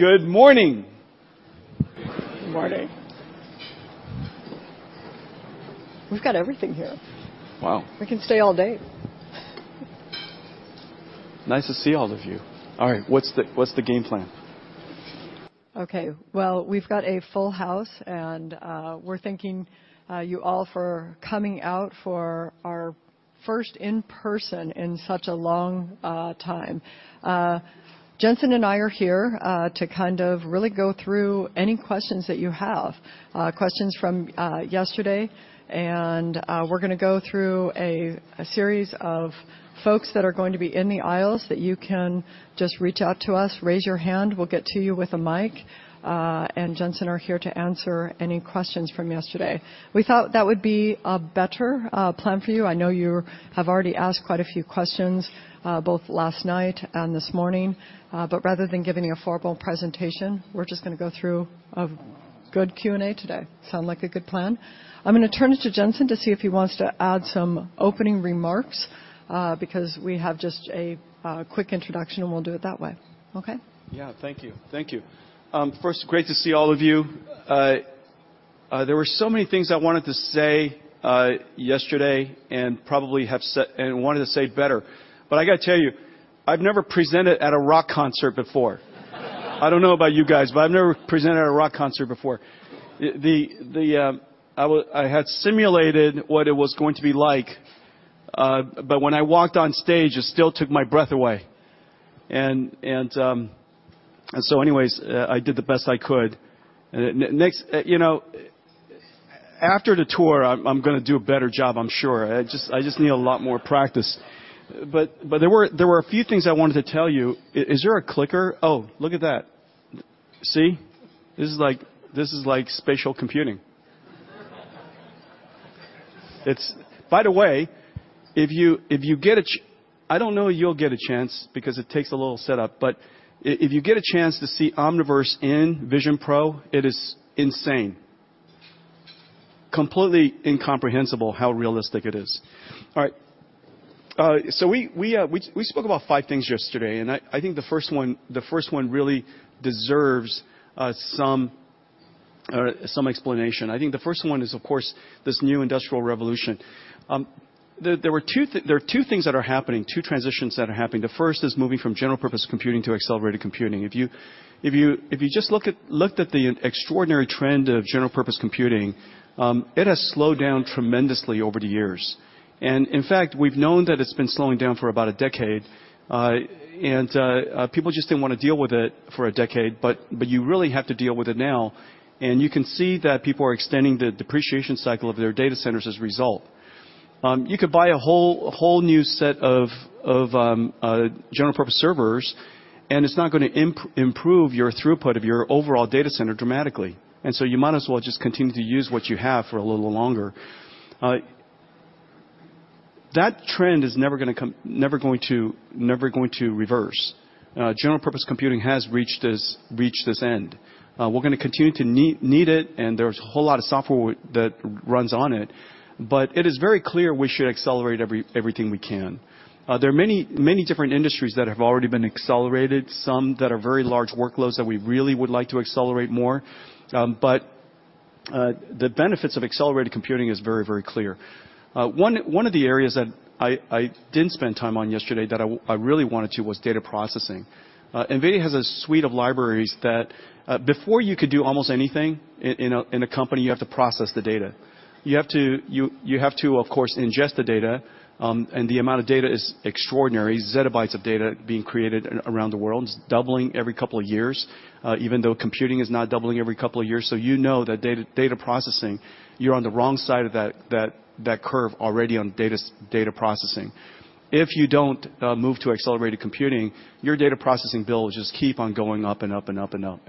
Good morning. Morning. We've got everything here. Wow. We can stay all day. Nice to see all of you. All right, what's the game plan? Okay, well, we've got a full house, and we're thanking you all for coming out for our first in-person in such a long time. Jensen and I are here to kind of really go through any questions that you have, questions from yesterday, and we're going to go through a series of folks that are going to be in the aisles that you can just reach out to us, raise your hand. We'll get to you with a mic, and Jensen are here to answer any questions from yesterday. We thought that would be a better plan for you. I know you have already asked quite a few questions both last night and this morning, but rather than giving you a formal presentation, we're just going to go through a good Q&A today. Sound like a good plan? I'm going to turn it to Jensen to see if he wants to add some opening remarks because we have just a quick introduction, and we'll do it that way, okay? Yeah, thank you. Thank you. First, great to see all of you. There were so many things I wanted to say yesterday and probably have said and wanted to say better, but I got to tell you, I've never presented at a rock concert before. I don't know about you guys, but I've never presented at a rock concert before. I had simulated what it was going to be like, but when I walked on stage, it still took my breath away. And so anyways, I did the best I could. After the tour, I'm going to do a better job, I'm sure. I just need a lot more practice. But there were a few things I wanted to tell you. Is there a clicker? Oh, look at that. See? This is like spatial computing. By the way, if you get a, I don't know, you'll get a chance because it takes a little setup, but if you get a chance to see Omniverse in Vision Pro, it is insane. Completely incomprehensible how realistic it is. All right. So we spoke about five things yesterday, and I think the first one really deserves some explanation. I think the first one is, of course, this new industrial revolution. There are two things that are happening, two transitions that are happening. The first is moving from general-purpose computing to accelerated computing. If you just looked at the extraordinary trend of general-purpose computing, it has slowed down tremendously over the years. In fact, we've known that it's been slowing down for about a decade, and people just didn't want to deal with it for a decade, but you really have to deal with it now, and you can see that people are extending the depreciation cycle of their data centers as a result. You could buy a whole new set of general-purpose servers, and it's not going to improve your throughput of your overall data center dramatically. So you might as well just continue to use what you have for a little longer. That trend is never going to reverse. General-purpose computing has reached this end. We're going to continue to need it, and there's a whole lot of software that runs on it, but it is very clear we should accelerate everything we can. There are many different industries that have already been accelerated, some that are very large workloads that we really would like to accelerate more, but the benefits of accelerated computing are very, very clear. One of the areas that I didn't spend time on yesterday that I really wanted to was data processing. NVIDIA has a suite of libraries that before you could do almost anything in a company, you have to process the data. You have to, of course, ingest the data, and the amount of data is extraordinary, zettabytes of data being created around the world. It's doubling every couple of years, even though computing is not doubling every couple of years. So you know that data processing, you're on the wrong side of that curve already on data processing. If you don't move to accelerated computing, your data processing bills just keep on going up and up and up and up.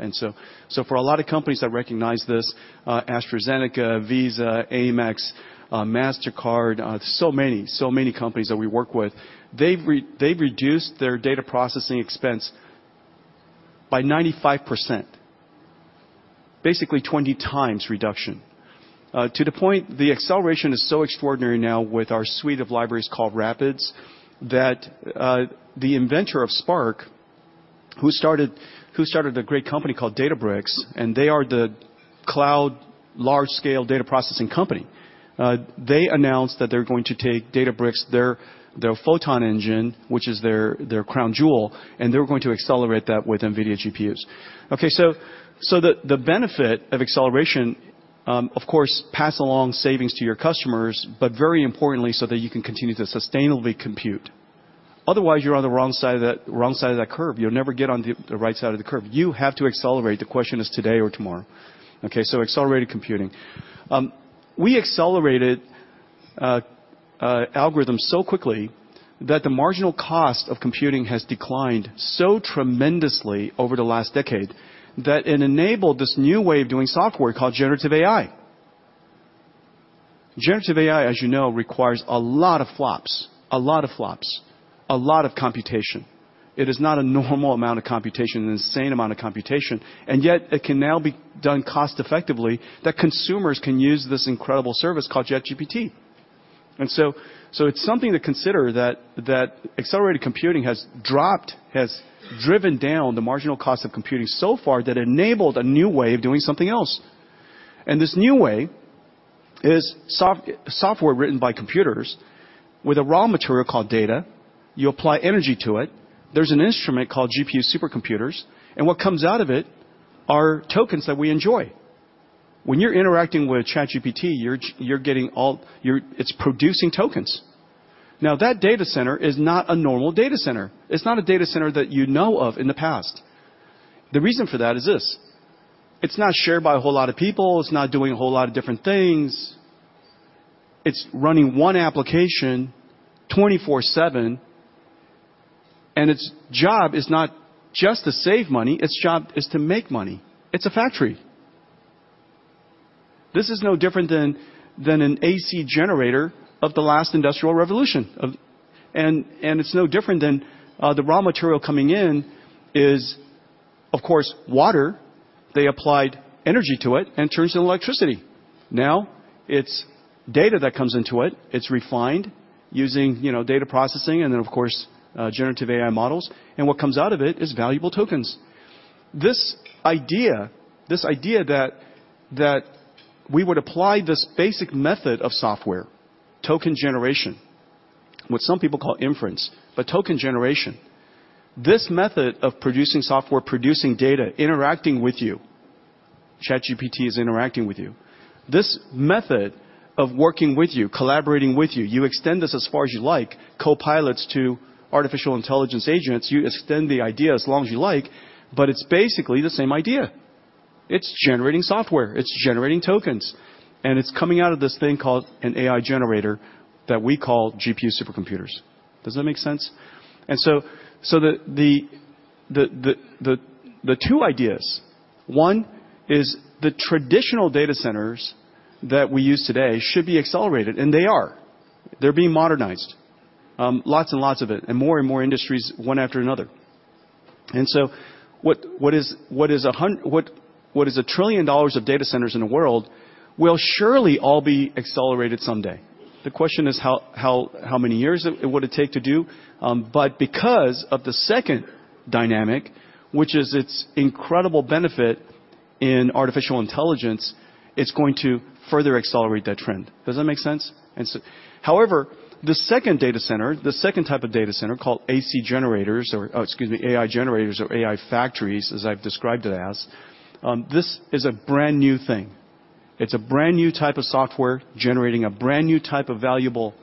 So for a lot of companies that recognize this, AstraZeneca, Visa, AMEX, Mastercard, so many, so many companies that we work with, they've reduced their data processing expense by 95%, basically 20x reduction, to the point the acceleration is so extraordinary now with our suite of libraries called RAPIDS that the inventor of Spark, who started a great company called Databricks, and they are the cloud, large-scale data processing company, they announced that they're going to take Databricks, their Photon engine, which is their crown jewel, and they're going to accelerate that with NVIDIA GPUs. Okay, so the benefit of acceleration, of course, passes along savings to your customers, but very importantly, so that you can continue to sustainably compute. Otherwise, you're on the wrong side of that curve. You'll never get on the right side of the curve. You have to accelerate. The question is today or tomorrow. Okay, so accelerated computing. We accelerated algorithms so quickly that the marginal cost of computing has declined so tremendously over the last decade that it enabled this new wave of doing software called generative AI. Generative AI, as you know, requires a lot of flops, a lot of flops, a lot of computation. It is not a normal amount of computation, an insane amount of computation, and yet it can now be done cost-effectively that consumers can use this incredible service called ChatGPT. And so it's something to consider that accelerated computing has dropped, has driven down the marginal cost of computing so far that it enabled a new way of doing something else. This new way is software written by computers with a raw material called data. You apply energy to it. There's an instrument called GPU supercomputers, and what comes out of it are tokens that we enjoy. When you're interacting with ChatGPT, it's producing tokens. Now, that data center is not a normal data center. It's not a data center that you know of in the past. The reason for that is this. It's not shared by a whole lot of people. It's not doing a whole lot of different things. It's running one application 24/7, and its job is not just to save money. Its job is to make money. It's a factory. This is no different than an AC generator of the last industrial revolution. And it's no different than the raw material coming in is, of course, water. They applied energy to it and turned it into electricity. Now, it's data that comes into it. It's refined using data processing and then, of course, generative AI models, and what comes out of it is valuable tokens. This idea that we would apply this basic method of software, token generation, what some people call inference, but token generation, this method of producing software, producing data, interacting with you, ChatGPT is interacting with you, this method of working with you, collaborating with you, you extend this as far as you like, co-pilots to artificial intelligence agents, you extend the idea as long as you like, but it's basically the same idea. It's generating software. It's generating tokens. And it's coming out of this thing called an AI generator that we call GPU supercomputers. Does that make sense? And so the two ideas, one is the traditional data centers that we use today should be accelerated, and they are. They're being modernized, lots and lots of it, and more and more industries one after another. And so what is $1 trillion of data centers in the world will surely all be accelerated someday. The question is how many years it would take to do, but because of the second dynamic, which is its incredible benefit in artificial intelligence, it's going to further accelerate that trend. Does that make sense? However, the second data center, the second type of data center called AC generators or, excuse me, AI generators or AI factories, as I've described it as, this is a brand new thing. It's a brand new type of software generating a brand new type of valuable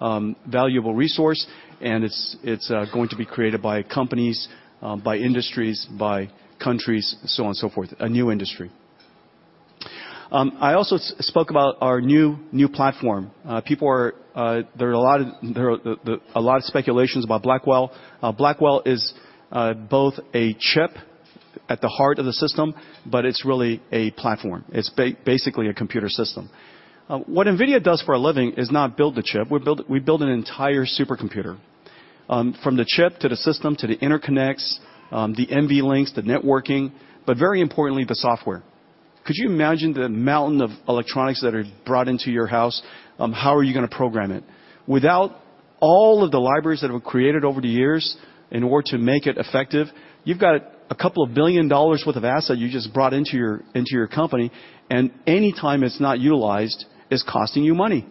resource, and it's going to be created by companies, by industries, by countries, so on and so forth, a new industry. I also spoke about our new platform. There are a lot of speculations about Blackwell. Blackwell is both a chip at the heart of the system, but it's really a platform. It's basically a computer system. What NVIDIA does for a living is not build the chip. We build an entire supercomputer from the chip to the system to the interconnects, the NVLinks, the networking, but very importantly, the software. Could you imagine the mountain of electronics that are brought into your house? How are you going to program it? Without all of the libraries that have been created over the years in order to make it effective, you've got a couple of billion dollars' worth of asset you just brought into your company, and anytime it's not utilized, it's costing you money.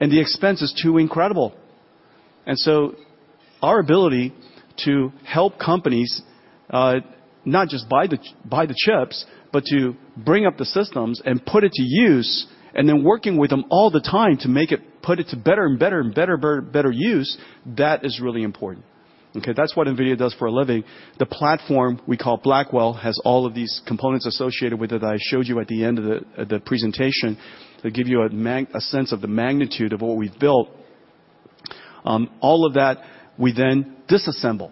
The expense is too incredible. Our ability to help companies not just buy the chips, but to bring up the systems and put it to use, and then working with them all the time to put it to better and better and better use, that is really important. Okay, that's what NVIDIA does for a living. The platform we call Blackwell has all of these components associated with it that I showed you at the end of the presentation to give you a sense of the magnitude of what we've built. All of that, we then disassemble.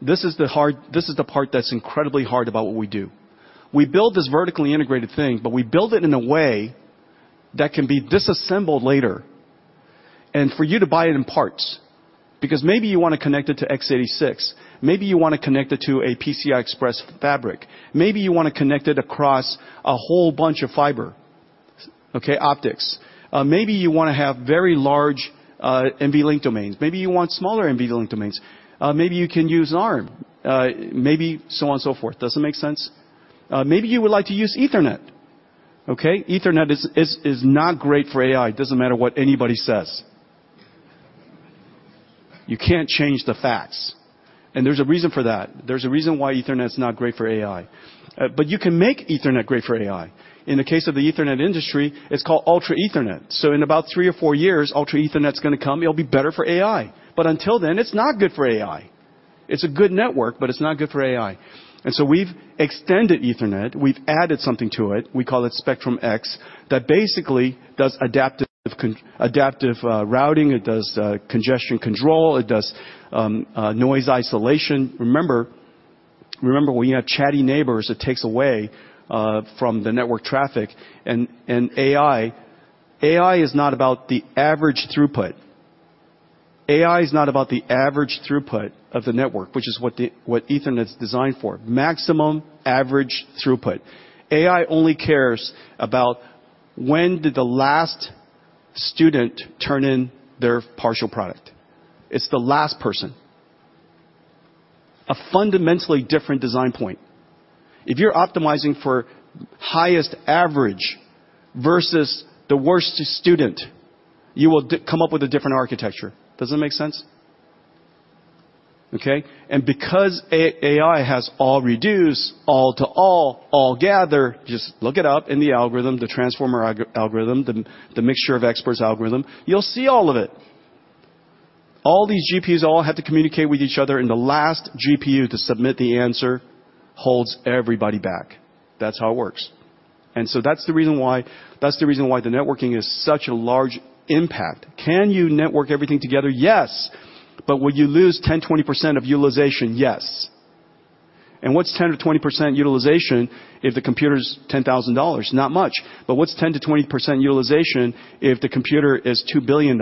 This is the part that's incredibly hard about what we do. We build this vertically integrated thing, but we build it in a way that can be disassembled later and for you to buy it in parts because maybe you want to connect it to x86. Maybe you want to connect it to a PCI Express fabric. Maybe you want to connect it across a whole bunch of fiber, okay, optics. Maybe you want to have very large NVLink domains. Maybe you want smaller NVLink domains. Maybe you can use an ARM, maybe so on and so forth. Does that make sense? Maybe you would like to use Ethernet. Okay, Ethernet is not great for AI. It doesn't matter what anybody says. You can't change the facts. And there's a reason for that. There's a reason why Ethernet is not great for AI. But you can make Ethernet great for AI. In the case of the Ethernet industry, it's called Ultra Ethernet. So in about three or four years, Ultra Ethernet is going to come. It'll be better for AI. But until then, it's not good for AI. It's a good network, but it's not good for AI. And so we've extended Ethernet. We've added something to it. We call it Spectrum-X that basically does adaptive routing. It does congestion control. It does noise isolation. Remember when you have chatty neighbors? It takes away from the network traffic. And AI is not about the average throughput. AI is not about the average throughput of the network, which is what Ethernet is designed for, maximum average throughput. AI only cares about when did the last student turn in their partial product? It's the last person, a fundamentally different design point. If you're optimizing for highest average versus the worst student, you will come up with a different architecture. Does that make sense? Okay. And because AI has all reduced, all to all, all gather, just look it up in the algorithm, the transformer algorithm, the mixture of experts algorithm, you'll see all of it. All these GPUs all have to communicate with each other, and the last GPU to submit the answer holds everybody back. That's how it works. And so that's the reason why the networking is such a large impact. Can you network everything together? Yes. But will you lose 10%-20% of utilization? Yes. And what's 10% or 20% utilization if the computer is $10,000? Not much. But what's 10%-20% utilization if the computer is $2 billion?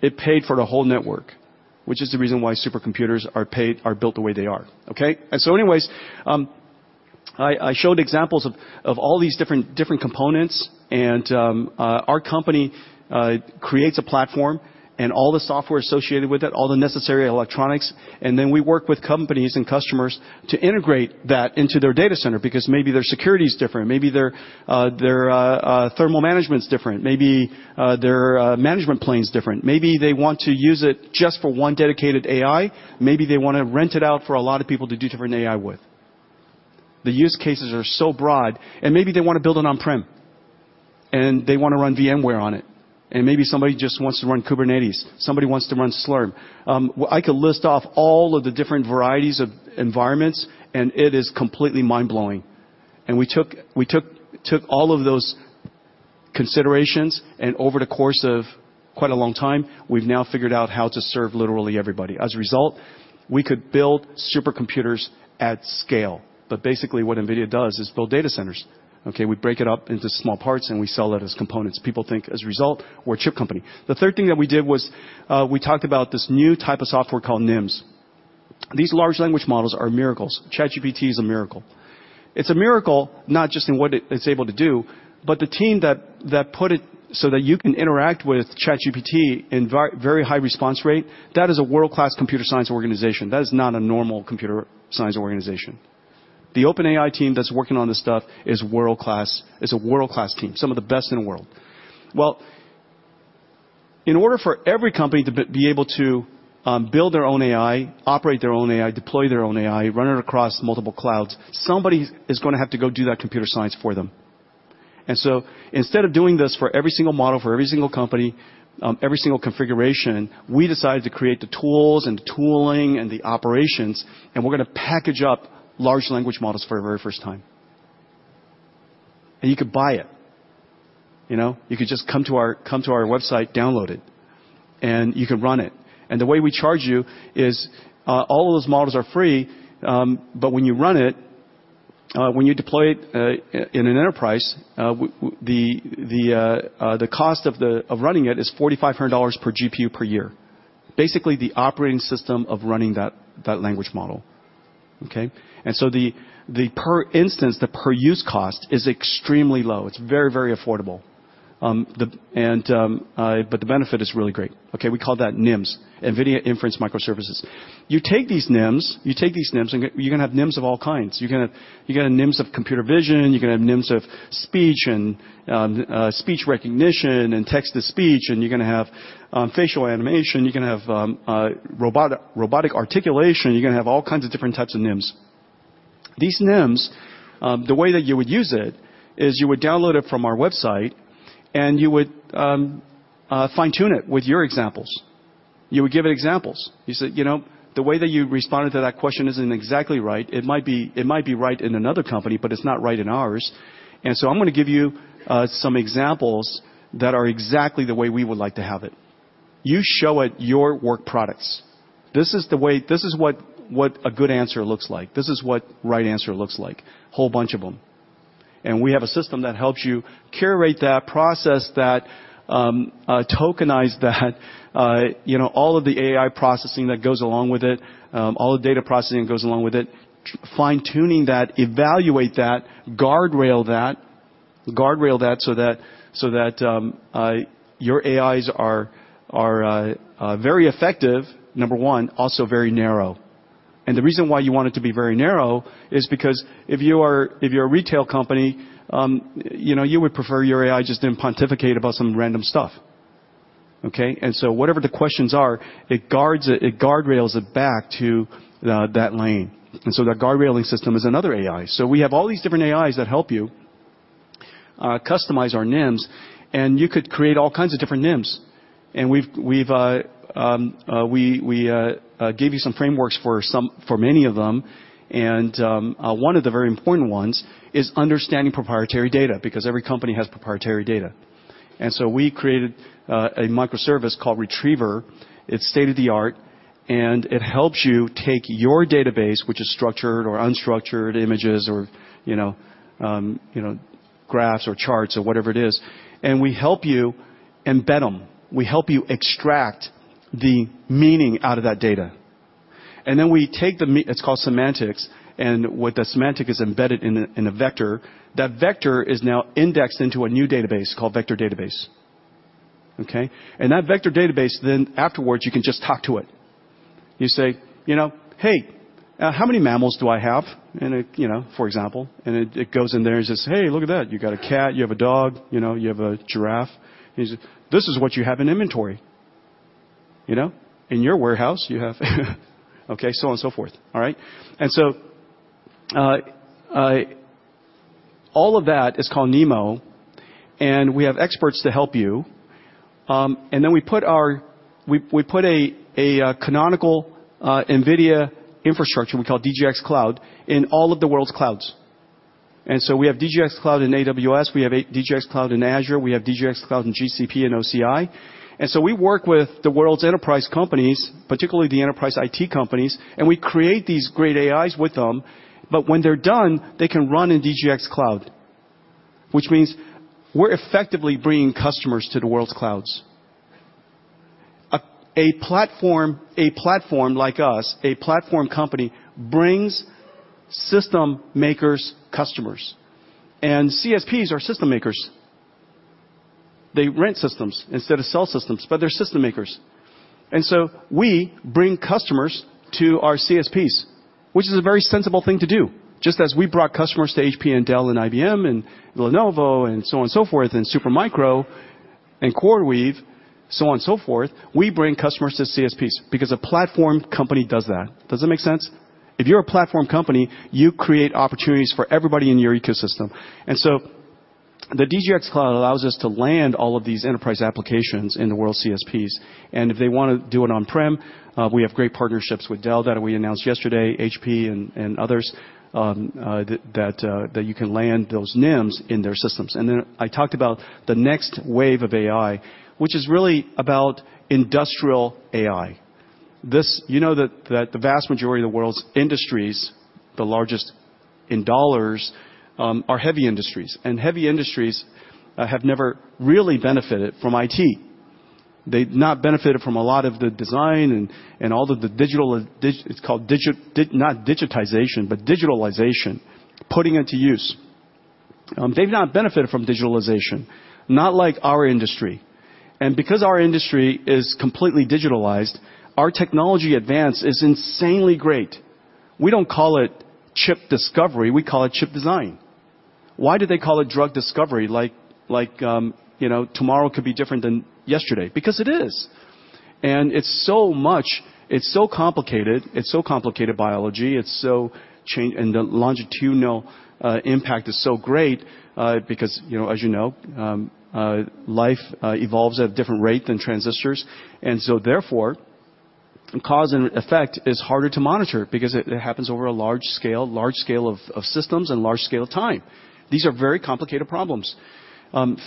It paid for the whole network, which is the reason why supercomputers are built the way they are. Okay. And so anyways, I showed examples of all these different components, and our company creates a platform and all the software associated with it, all the necessary electronics, and then we work with companies and customers to integrate that into their data center because maybe their security is different. Maybe their thermal management is different. Maybe their management plane is different. Maybe they want to use it just for one dedicated AI. Maybe they want to rent it out for a lot of people to do different AI with. The use cases are so broad, and maybe they want to build it on-prem, and they want to run VMware on it, and maybe somebody just wants to run Kubernetes. Somebody wants to run Slurm. I could list off all of the different varieties of environments, and it is completely mind-blowing. We took all of those considerations, and over the course of quite a long time, we've now figured out how to serve literally everybody. As a result, we could build supercomputers at scale, but basically what NVIDIA does is build data centers. Okay. We break it up into small parts, and we sell it as components. People think, as a result, we're a chip company. The third thing that we did was we talked about this new type of software called NIMs. These large language models are miracles. ChatGPT is a miracle. It's a miracle, not just in what it's able to do, but the team that put it so that you can interact with ChatGPT in very high response rate, that is a world-class computer science organization. That is not a normal computer science organization. The OpenAI team that's working on this stuff is a world-class team, some of the best in the world. Well, in order for every company to be able to build their own AI, operate their own AI, deploy their own AI, run it across multiple clouds, somebody is going to have to go do that computer science for them. And so instead of doing this for every single model, for every single company, every single configuration, we decided to create the tools and the tooling and the operations, and we're going to package up large language models for the very first time. And you could buy it. You could just come to our website, download it, and you could run it. And the way we charge you is all of those models are free, but when you run it, when you deploy it in an enterprise, the cost of running it is $4,500 per GPU per year, basically the operating system of running that language model. Okay. And so per instance, the per-use cost is extremely low. It's very, very affordable. But the benefit is really great. Okay. We call that NIMs, NVIDIA Inference Microservices. You take these NIMs, you take these NIMs, and you're going to have NIMs of all kinds. You're going to have NIMs of computer vision. You're going to have NIMs of speech and speech recognition and text-to-speech, and you're going to have facial animation. You're going to have robotic articulation. You're going to have all kinds of different types of NIMs. These NIMs, the way that you would use it is you would download it from our website, and you would fine-tune it with your examples. You would give it examples. You say, "The way that you responded to that question isn't exactly right. It might be right in another company, but it's not right in ours." And so I'm going to give you some examples that are exactly the way we would like to have it. You show it your work products. This is what a good answer looks like. This is what the right answer looks like, a whole bunch of them. We have a system that helps you curate that, process that, tokenize that, all of the AI processing that goes along with it, all the data processing that goes along with it, fine-tune that, evaluate that, guardrail that so that your AIs are very effective, number one, also very narrow. The reason why you want it to be very narrow is because if you're a retail company, you would prefer your AI just didn't pontificate about some random stuff. Okay. So whatever the questions are, it guardrails it back to that lane. That guardrailing system is another AI. We have all these different AIs that help you customize our NIMs, and you could create all kinds of different NIMs. We gave you some frameworks for many of them, and one of the very important ones is understanding proprietary data because every company has proprietary data. And so we created a microservice called Retriever. It's state-of-the-art, and it helps you take your database, which is structured or unstructured images or graphs or charts or whatever it is, and we help you embed them. We help you extract the meaning out of that data. And then we take the. It's called semantics, and what the semantic is embedded in a vector, that vector is now indexed into a new database called Vector Database. Okay. And that Vector Database, then afterwards, you can just talk to it. You say, "Hey, how many mammals do I have?" For example, and it goes in there and says, "Hey, look at that. You got a cat. You have a dog. You have a giraffe." And you say, "This is what you have in inventory in your warehouse." Okay. So on and so forth. All right. And so all of that is called NeMo, and we have experts to help you. And then we put a canonical NVIDIA infrastructure we call DGX Cloud in all of the world's clouds. And so we have DGX Cloud in AWS. We have DGX Cloud in Azure. We have DGX Cloud in GCP and OCI. And so we work with the world's enterprise companies, particularly the enterprise IT companies, and we create these great AIs with them. But when they're done, they can run in DGX Cloud, which means we're effectively bringing customers to the world's clouds. A platform like us, a platform company, brings system makers customers. And CSPs are system makers. They rent systems instead of sell systems, but they're system makers. And so we bring customers to our CSPs, which is a very sensible thing to do, just as we brought customers to HP and Dell and IBM and Lenovo and so on and so forth and Supermicro and CoreWeave and so on and so forth. We bring customers to CSPs because a platform company does that. Does that make sense? If you're a platform company, you create opportunities for everybody in your ecosystem. And so the DGX Cloud allows us to land all of these enterprise applications in the world's CSPs. And if they want to do it on-prem, we have great partnerships with Dell that we announced yesterday, HP and others, that you can land those NIMs in their systems. And then I talked about the next wave of AI, which is really about industrial AI. You know that the vast majority of the world's industries, the largest in dollars, are heavy industries, and heavy industries have never really benefited from IT. They've not benefited from a lot of the design and all of the digital. It's called not digitization, but digitalization, putting it to use. They've not benefited from digitalization, not like our industry. And because our industry is completely digitalized, our technology advance is insanely great. We don't call it chip discovery. We call it chip design. Why did they call it drug discovery? Like tomorrow could be different than yesterday because it is. And it's so complicated. It's so complicated biology. And the longitudinal impact is so great because, as you know, life evolves at a different rate than transistors. And so therefore, cause and effect is harder to monitor because it happens over a large scale, large scale of systems and large scale of time. These are very complicated problems.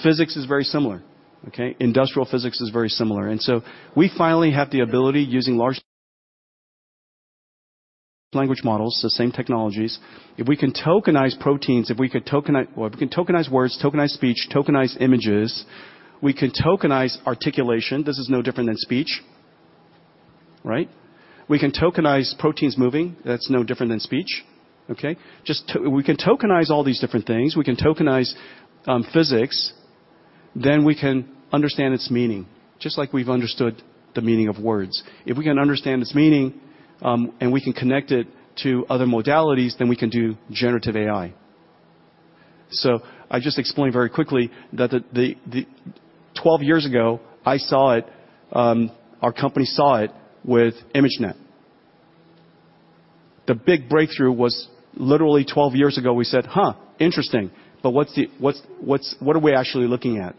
Physics is very similar. Okay. Industrial physics is very similar. We finally have the ability, using large language models, the same technologies, if we can tokenize proteins, if we could tokenize words, tokenize speech, tokenize images, we can tokenize articulation. This is no different than speech. Right. We can tokenize proteins moving. That's no different than speech. Okay. We can tokenize all these different things. We can tokenize physics. Then we can understand its meaning, just like we've understood the meaning of words. If we can understand its meaning and we can connect it to other modalities, then we can do generative AI. I just explained very quickly that 12 years ago, I saw it. Our company saw it with ImageNet. The big breakthrough was literally 12 years ago. We said, "Huh, interesting. But what are we actually looking at?"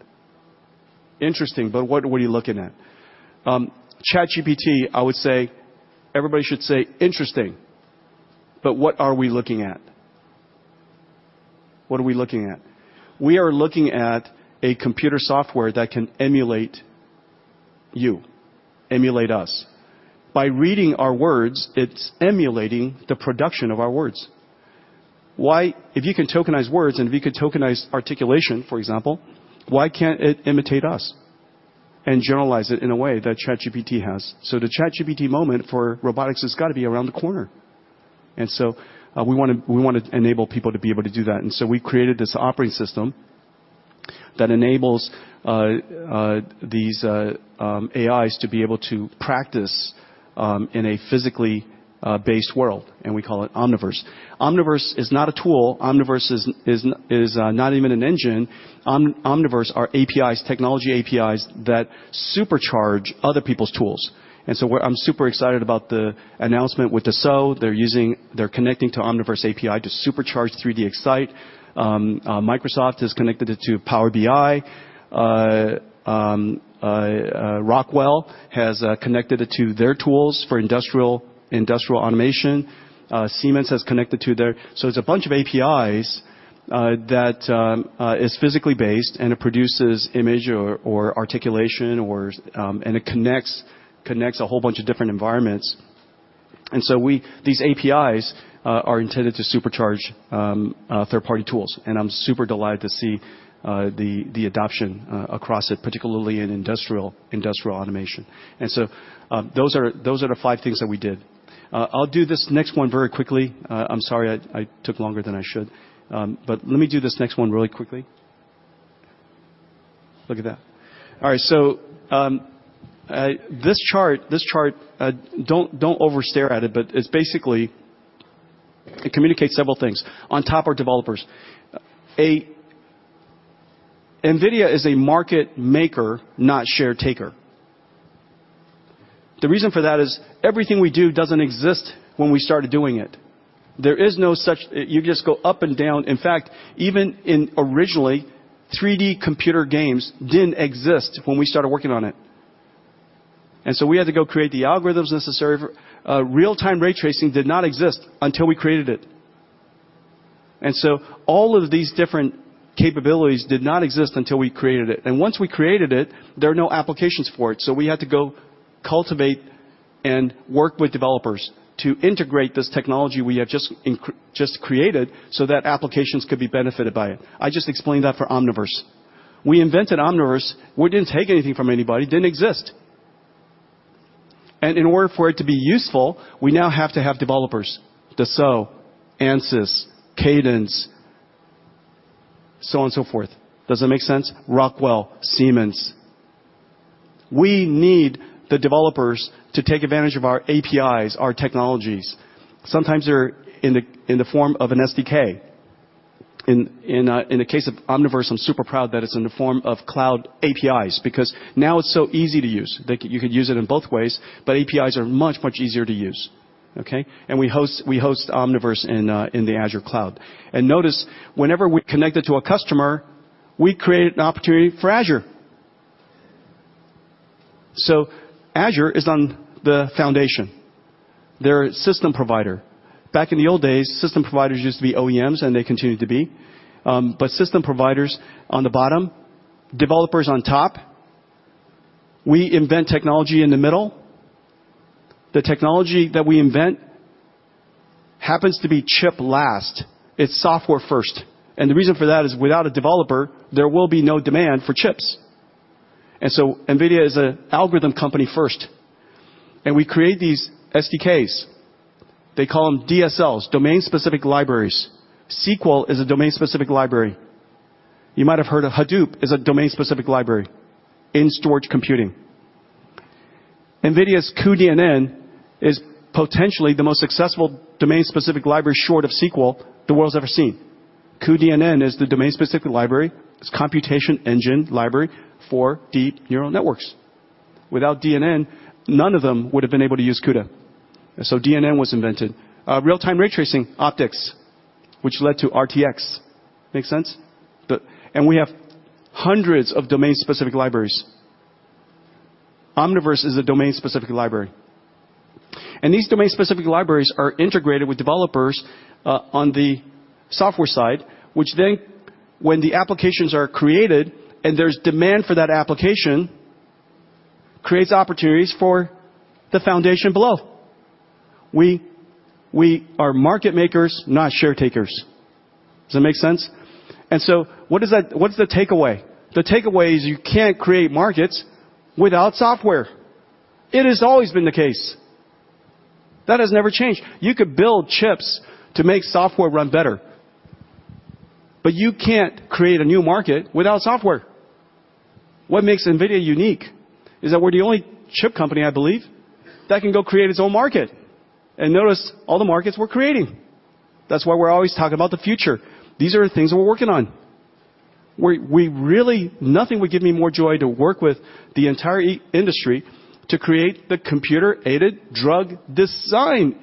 Interesting, but what were you looking at? ChatGPT, I would say everybody should say, "Interesting. But what are we looking at?" What are we looking at? We are looking at a computer software that can emulate you, emulate us. By reading our words, it's emulating the production of our words. If you can tokenize words and if you could tokenize articulation, for example, why can't it imitate us and generalize it in a way that ChatGPT has? So the ChatGPT moment for robotics has got to be around the corner. And so we want to enable people to be able to do that. We created this operating system that enables these AIs to be able to practice in a physically based world, and we call it Omniverse. Omniverse is not a tool. Omniverse is not even an engine. Omniverse are technology APIs that supercharge other people's tools. I'm super excited about the announcement with Dassault. They're connecting to Omniverse API to supercharge 3DEXCITE. Microsoft has connected it to Power BI. Rockwell has connected it to their tools for industrial automation. Siemens has connected to their, so it's a bunch of APIs that is physically based, and it produces image or articulation, and it connects a whole bunch of different environments. These APIs are intended to supercharge third-party tools. I'm super delighted to see the adoption across it, particularly in industrial automation. Those are the five things that we did. I'll do this next one very quickly. I'm sorry I took longer than I should, but let me do this next one really quickly. Look at that. All right. So this chart, don't over-stare at it, but it communicates several things on top of developers. NVIDIA is a market maker, not share taker. The reason for that is everything we do doesn't exist when we started doing it. There is no such—you just go up and down. In fact, even originally, 3D computer games didn't exist when we started working on it. And so we had to go create the algorithms necessary. Real-time ray tracing did not exist until we created it. And so all of these different capabilities did not exist until we created it. And once we created it, there are no applications for it. So we had to go cultivate and work with developers to integrate this technology we have just created so that applications could be benefited by it. I just explained that for Omniverse. We invented Omniverse. We didn't take anything from anybody. It didn't exist. And in order for it to be useful, we now have to have developers: Dassault, ANSYS, Cadence, so on and so forth. Does that make sense? Rockwell, Siemens. We need the developers to take advantage of our APIs, our technologies. Sometimes they're in the form of an SDK. In the case of Omniverse, I'm super proud that it's in the form of cloud APIs because now it's so easy to use. You could use it in both ways, but APIs are much, much easier to use. Okay. And we host Omniverse in the Azure Cloud. Notice, whenever we connect it to a customer, we create an opportunity for Azure. So Azure is on the foundation. They're a system provider. Back in the old days, system providers used to be OEMs, and they continue to be. But system providers on the bottom, developers on top. We invent technology in the middle. The technology that we invent happens to be chip last. It's software first. And the reason for that is without a developer, there will be no demand for chips. And so NVIDIA is an algorithm company first. And we create these SDKs. They call them DSLs, domain-specific libraries. SQL is a domain-specific library. You might have heard of Hadoop as a domain-specific library in storage computing. NVIDIA's cuDNN is potentially the most successful domain-specific library short of SQL, the world's ever seen. cuDNN is the domain-specific library. It's a computation engine library for deep neural networks. Without DNN, none of them would have been able to use CUDA. So DNN was invented. Real-time ray tracing, optics, which led to RTX. Make sense? And we have hundreds of domain-specific libraries. Omniverse is a domain-specific library. And these domain-specific libraries are integrated with developers on the software side, which then, when the applications are created and there's demand for that application, creates opportunities for the foundation below. We are market makers, not share takers. Does that make sense? And so what's the takeaway? The takeaway is you can't create markets without software. It has always been the case. That has never changed. You could build chips to make software run better, but you can't create a new market without software. What makes NVIDIA unique is that we're the only chip company, I believe, that can go create its own market. And notice all the markets we're creating. That's why we're always talking about the future. These are the things we're working on. Nothing would give me more joy to work with the entire industry to create the computer-aided drug design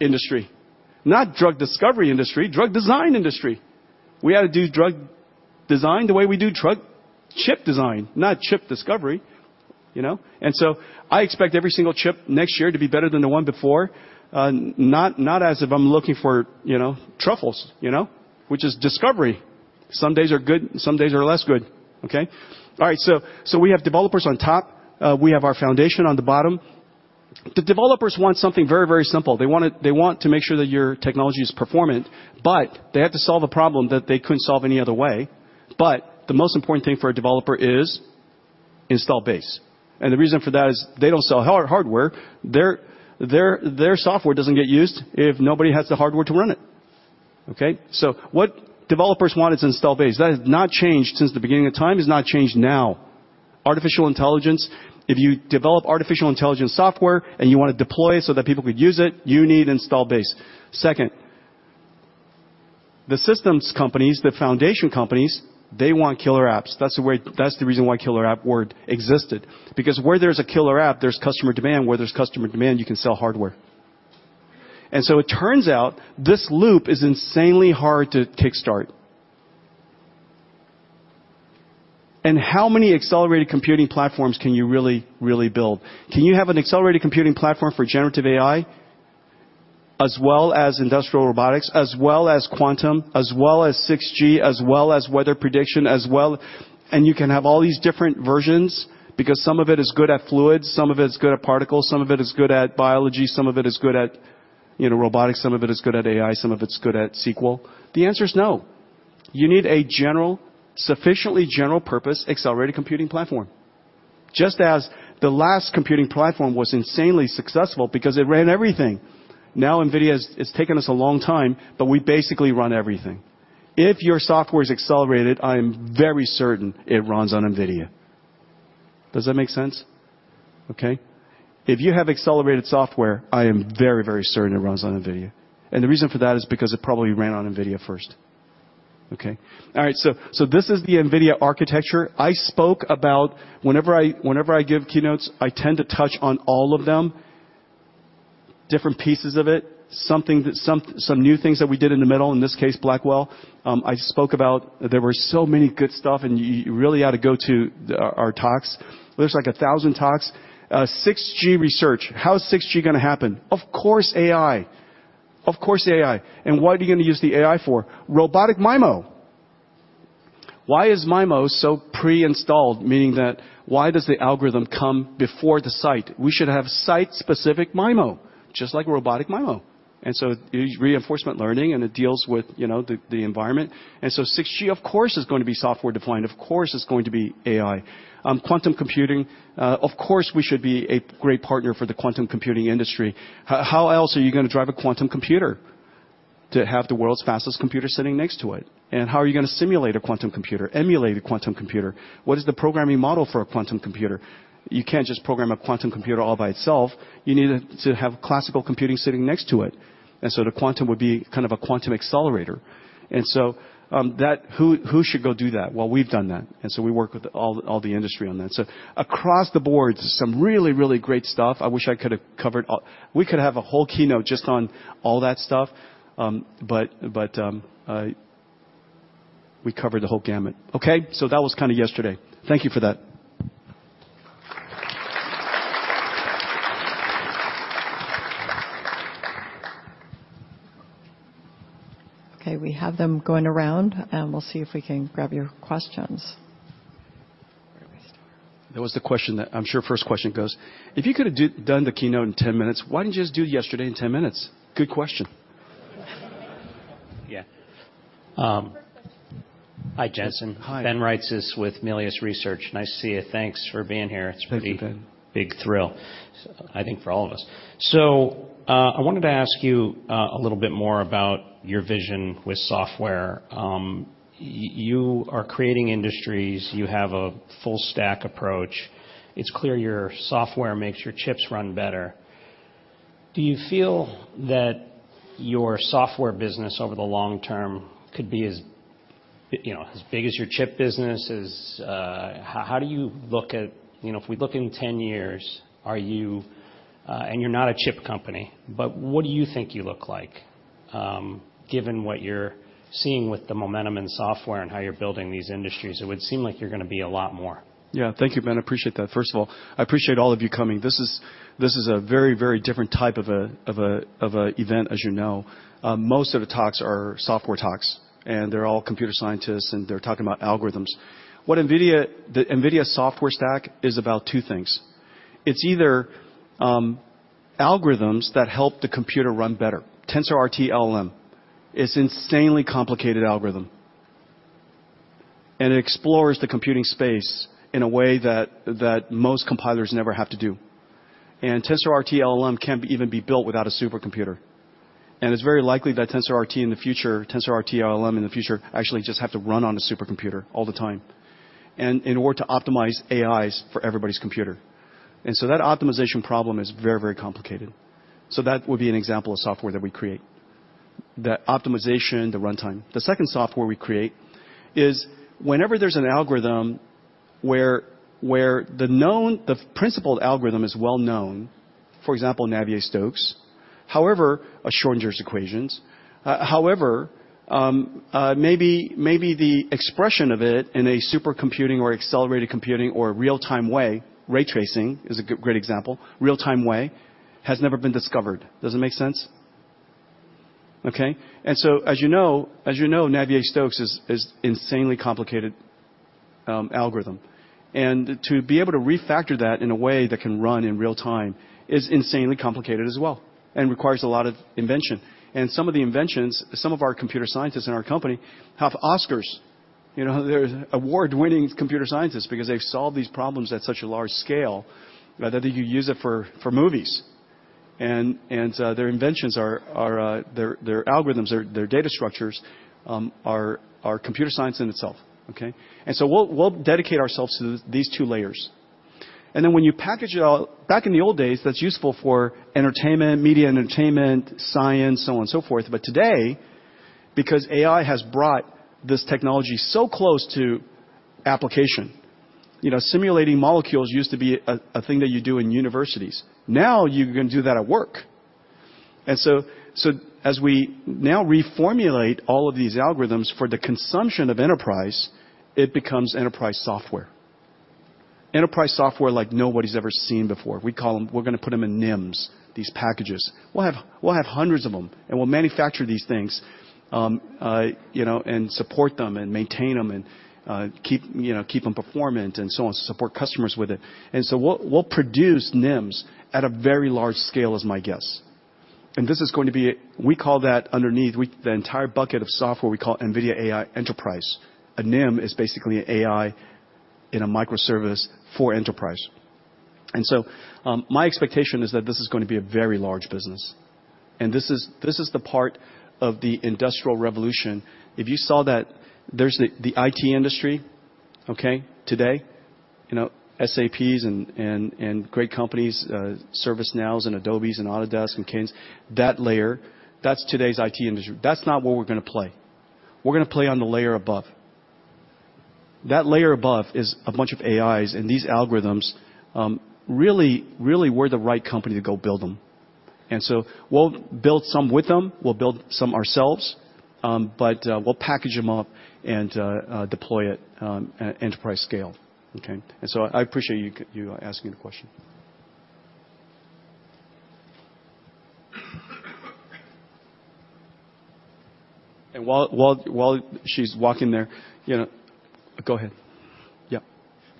industry, not drug discovery industry, drug design industry. We had to do drug design the way we do drug chip design, not chip discovery. And so I expect every single chip next year to be better than the one before, not as if I'm looking for truffles, which is discovery. Some days are good. Some days are less good. Okay. All right. So we have developers on top. We have our foundation on the bottom. The developers want something very, very simple. They want to make sure that your technology is performant, but they have to solve a problem that they couldn't solve any other way. But the most important thing for a developer is install base. And the reason for that is they don't sell hardware. Their software doesn't get used if nobody has the hardware to run it. Okay. So what developers want is install base. That has not changed since the beginning of time. It's not changed now. Artificial intelligence, if you develop artificial intelligence software and you want to deploy it so that people could use it, you need install base. Second, the systems companies, the foundation companies, they want killer apps. That's the reason why killer app word existed. Because where there's a killer app, there's customer demand. Where there's customer demand, you can sell hardware. So it turns out this loop is insanely hard to kick start. How many accelerated computing platforms can you really, really build? Can you have an accelerated computing platform for generative AI, as well as industrial robotics, as well as quantum, as well as 6G, as well as weather prediction, as well? You can have all these different versions because some of it is good at fluids, some of it is good at particles, some of it is good at biology, some of it is good at robotics, some of it is good at AI, some of it's good at SQL. The answer is no. You need a sufficiently general-purpose accelerated computing platform, just as the last computing platform was insanely successful because it ran everything. Now, NVIDIA has taken us a long time, but we basically run everything. If your software is accelerated, I am very certain it runs on NVIDIA. Does that make sense? Okay. If you have accelerated software, I am very, very certain it runs on NVIDIA. And the reason for that is because it probably ran on NVIDIA first. Okay. All right. So this is the NVIDIA architecture. I spoke about whenever I give keynotes, I tend to touch on all of them, different pieces of it, some new things that we did in the middle, in this case, Blackwell. I spoke about there were so many good stuff, and you really ought to go to our talks. There's like 1,000 talks. 6G research. How is 6G going to happen? Of course, AI. Of course, AI. And what are you going to use the AI for? Robotic MIMO. Why is MIMO so pre-installed, meaning that why does the algorithm come before the site? We should have site-specific MIMO, just like robotic MIMO. Reinforcement learning deals with the environment. 6G, of course, is going to be software-defined. Of course, it's going to be AI. Quantum computing, of course—we should be a great partner for the quantum computing industry. How else are you going to drive a quantum computer to have the world's fastest computer sitting next to it? How are you going to simulate a quantum computer, emulate a quantum computer? What is the programming model for a quantum computer? You can't just program a quantum computer all by itself. You need to have classical computing sitting next to it. The quantum would be kind of a quantum accelerator. Who should go do that? Well, we've done that. We work with all the industry on that. So across the board, some really, really great stuff. I wish I could have covered all. We could have a whole keynote just on all that stuff, but we covered the whole gamut. Okay. So that was kind of yesterday. Thank you for that. Okay. We have them going around, and we'll see if we can grab your questions. There was the question that I'm sure first question goes, "If you could have done the keynote in 10 minutes, why didn't you just do it yesterday in 10 minutes?" Good question. Yeah. Hi, Jensen. Ben Reitzes with Melius Research. Nice to see you. Thanks for being here. It's a big thrill, I think, for all of us. So I wanted to ask you a little bit more about your vision with software. You are creating industries. You have a full-stack approach. It's clear your software makes your chips run better. Do you feel that your software business over the long term could be as big as your chip business? How do you look at if we look in 10 years, and you're not a chip company, but what do you think you look like given what you're seeing with the momentum in software and how you're building these industries? It would seem like you're going to be a lot more. Yeah. Thank you, Ben. I appreciate that. First of all, I appreciate all of you coming. This is a very, very different type of an event, as you know. Most of the talks are software talks, and they're all computer scientists, and they're talking about algorithms. The NVIDIA software stack is about two things. It's either algorithms that help the computer run better, TensorRT LLM. It's an insanely complicated algorithm, and it explores the computing space in a way that most compilers never have to do. And TensorRT LLM can't even be built without a supercomputer. And it's very likely that TensorRT in the future, TensorRT LLM in the future, actually just have to run on a supercomputer all the time in order to optimize AIs for everybody's computer. And so that optimization problem is very, very complicated. So that would be an example of software that we create, the optimization, the runtime. The second software we create is whenever there's an algorithm where the principle algorithm is well-known, for example, Navier-Stokes, however. Schrödinger's equations. However, maybe the expression of it in a supercomputing or accelerated computing or real-time way, ray tracing is a great example, real-time way, has never been discovered. Does it make sense? Okay. And so, as you know, Navier-Stokes is an insanely complicated algorithm. And to be able to refactor that in a way that can run in real time is insanely complicated as well and requires a lot of invention. And some of the inventions, some of our computer scientists in our company have Oscars, award-winning computer scientists, because they've solved these problems at such a large scale, whether you use it for movies. Their inventions, their algorithms, their data structures are computer science in itself. Okay. And so we'll dedicate ourselves to these two layers. And then when you package it all back in the old days, that's useful for entertainment, media entertainment, science, so on and so forth. But today, because AI has brought this technology so close to application, simulating molecules used to be a thing that you do in universities. Now you can do that at work. And so as we now reformulate all of these algorithms for the consumption of enterprise, it becomes enterprise software, enterprise software like nobody's ever seen before. We're going to put them in NIMs, these packages. We'll have hundreds of them, and we'll manufacture these things and support them and maintain them and keep them performant and so on, support customers with it. And so we'll produce NIMs at a very large scale, is my guess. And this is going to be what we call that, underneath the entire bucket of software: we call it NVIDIA AI Enterprise. A NIM is basically an AI in a microservice for enterprise. And so my expectation is that this is going to be a very large business. And this is the part of the industrial revolution. If you saw that there's the IT industry today, SAPs and great companies, ServiceNows and Adobes and Autodesk and Cadence, that layer, that's today's IT industry. That's not where we're going to play. We're going to play on the layer above. That layer above is a bunch of AIs, and these algorithms really, really were the right company to go build them. And so we'll build some with them. We'll build some ourselves, but we'll package them up and deploy it at enterprise scale. Okay. And so I appreciate you asking the question. And while she's walking there, go ahead. Yeah.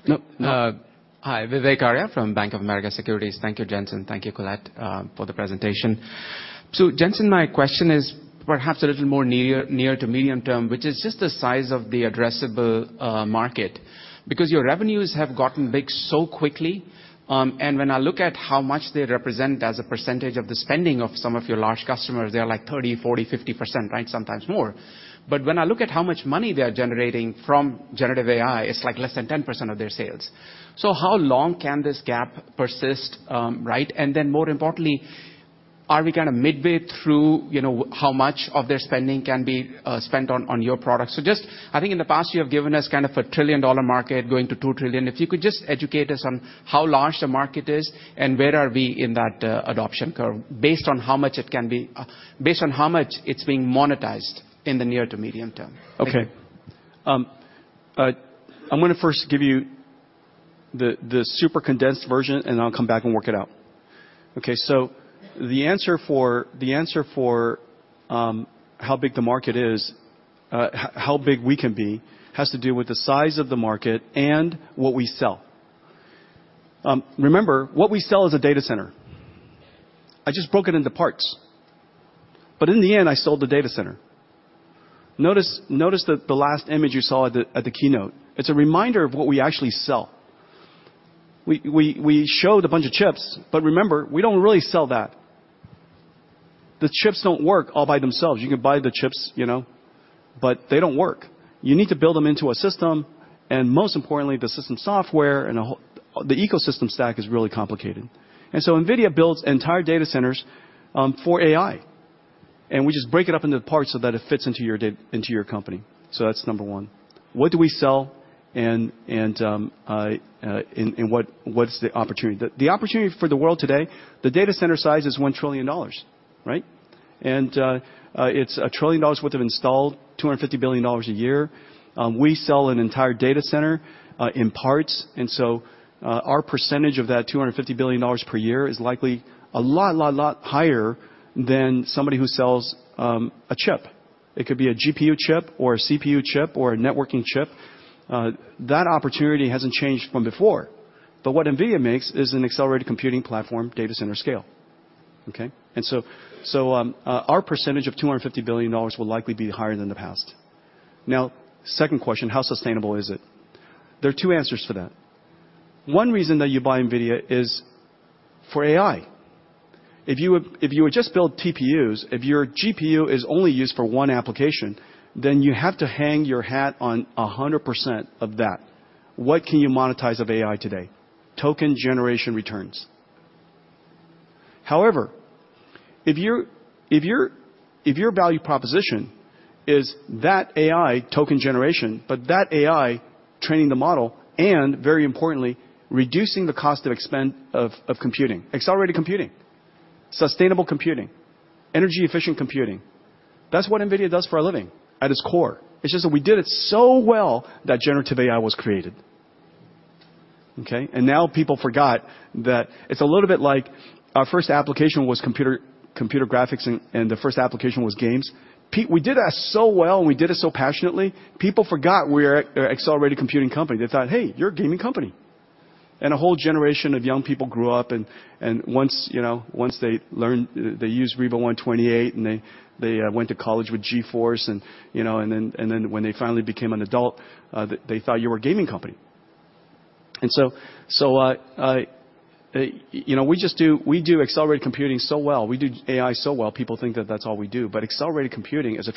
No. Hi, Vivek Arya from Bank of America Securities. Thank you, Jensen. Thank you, Colette, for the presentation. So, Jensen, my question is perhaps a little more near to medium term, which is just the size of the addressable market, because your revenues have gotten big so quickly. And when I look at how much they represent as a percentage of the spending of some of your large customers, they are like 30%, 40%, 50%, right, sometimes more. But when I look at how much money they are generating from generative AI, it's like less than 10% of their sales. So how long can this gap persist? Right. And then more importantly, are we kind of midway through how much of their spending can be spent on your product? So just, I think in the past, you have given us kind of a $1 trillion market going to $2 trillion. If you could just educate us on how large the market is and where are we in that adoption curve based on how much it can be, based on how much it's being monetized in the near to medium term. Okay. I'm going to first give you the super condensed version, and I'll come back and work it out. Okay. The answer for how big the market is, how big we can be, has to do with the size of the market and what we sell. Remember, what we sell is a data center. I just broke it into parts. But in the end, I sold the data center. Notice the last image you saw at the keynote. It's a reminder of what we actually sell. We showed a bunch of chips, but remember, we don't really sell that. The chips don't work all by themselves. You can buy the chips, but they don't work. You need to build them into a system. And most importantly, the system software and the ecosystem stack is really complicated. And so NVIDIA builds entire data centers for AI, and we just break it up into parts so that it fits into your company. So that's number one. What do we sell? And what's the opportunity? The opportunity for the world today, the data center size is $1 trillion. Right. And it's $1 trillion worth of installed, $250 billion a year. We sell an entire data center in parts. And so our percentage of that $250 billion per year is likely a lot, a lot, a lot higher than somebody who sells a chip. It could be a GPU chip or a CPU chip or a networking chip. That opportunity hasn't changed from before. But what NVIDIA makes is an accelerated computing platform, data center scale. Okay. And so our percentage of $250 billion will likely be higher than the past. Now, second question, how sustainable is it? There are two answers for that. One reason that you buy NVIDIA is for AI. If you would just build TPUs, if your GPU is only used for one application, then you have to hang your hat on 100% of that. What can you monetize of AI today? Token generation returns. However, if your value proposition is that AI, token generation, but that AI training the model, and very importantly, reducing the cost of computing, accelerated computing, sustainable computing, energy-efficient computing, that's what NVIDIA does for a living at its core. It's just that we did it so well that generative AI was created. Okay. And now people forgot that it's a little bit like our first application was computer graphics, and the first application was games. We did that so well, and we did it so passionately. People forgot we were an accelerated computing company. They thought, "Hey, you're a gaming company." A whole generation of young people grew up. Once they used RIVA 128, and they went to college with GeForce, and then when they finally became an adult, they thought you were a gaming company. We do accelerated computing so well. We do AI so well. People think that that's all we do. But accelerated computing is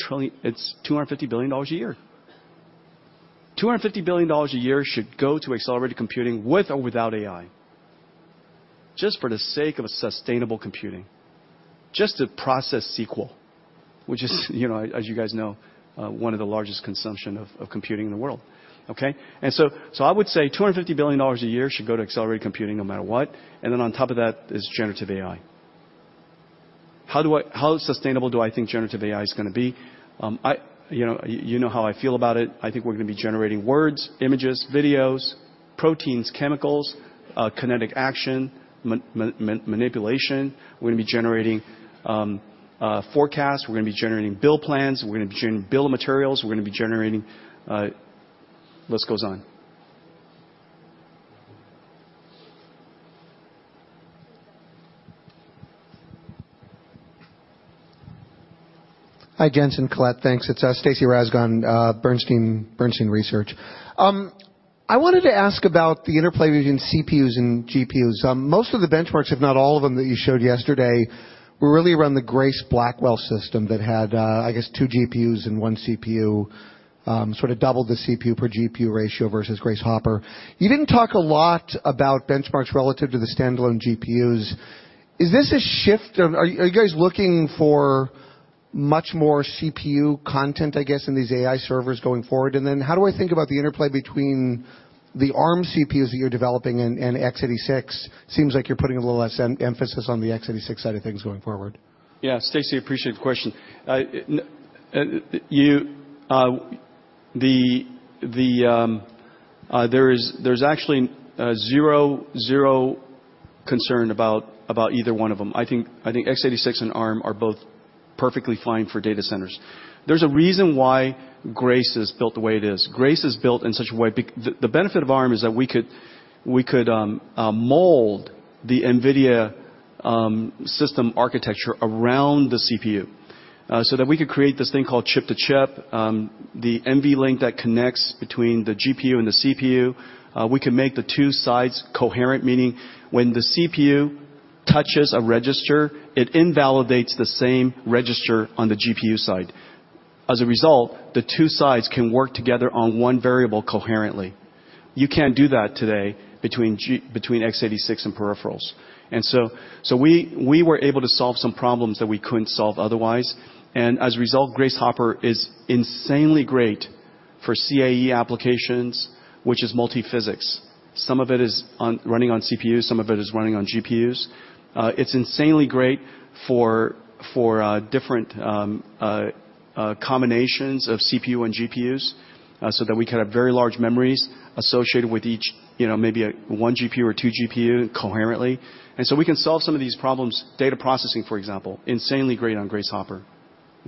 $250 billion a year. $250 billion a year should go to accelerated computing with or without AI, just for the sake of sustainable computing, just to process SQL, which is, as you guys know, one of the largest consumptions of computing in the world. Okay. I would say $250 billion a year should go to accelerated computing no matter what. Then on top of that is generative AI. How sustainable do I think generative AI is going to be? You know how I feel about it. I think we're going to be generating words, images, videos, proteins, chemicals, kinetic action, manipulation. We're going to be generating forecasts. We're going to be generating bill plans. We're going to be generating bill of materials. We're going to be generating list goes on. Hi, Jensen. Colette, thanks. It's Stacey Rasgon, Bernstein Research. I wanted to ask about the interplay between CPUs and GPUs. Most of the benchmarks, if not all of them, that you showed yesterday were really around the Grace Blackwell system that had, I guess, two GPUs and one CPU, sort of doubled the CPU per GPU ratio versus Grace Hopper. You didn't talk a lot about benchmarks relative to the standalone GPUs. Is this a shift? Are you guys looking for much more CPU content, I guess, in these AI servers going forward? And then how do I think about the interplay between the ARM CPUs that you're developing and x86? Seems like you're putting a little less emphasis on the x86 side of things going forward. Yeah. Stacey, appreciate the question. There's actually zero concern about either one of them. I think x86 and ARM are both perfectly fine for data centers. There's a reason why Grace is built the way it is. Grace is built in such a way, the benefit of ARM is that we could mold the NVIDIA system architecture around the CPU so that we could create this thing called chip-to-chip, the NVLink that connects between the GPU and the CPU. We could make the two sides coherent, meaning when the CPU touches a register, it invalidates the same register on the GPU side. As a result, the two sides can work together on one variable coherently. You can't do that today between x86 and peripherals. So we were able to solve some problems that we couldn't solve otherwise. As a result, Grace Hopper is insanely great for CAE applications, which is multiphysics. Some of it is running on CPUs. Some of it is running on GPUs. It's insanely great for different combinations of CPU and GPUs so that we could have very large memories associated with each, maybe one GPU or two GPU coherently. And so we can solve some of these problems. Data processing, for example, is insanely great on Grace Hopper.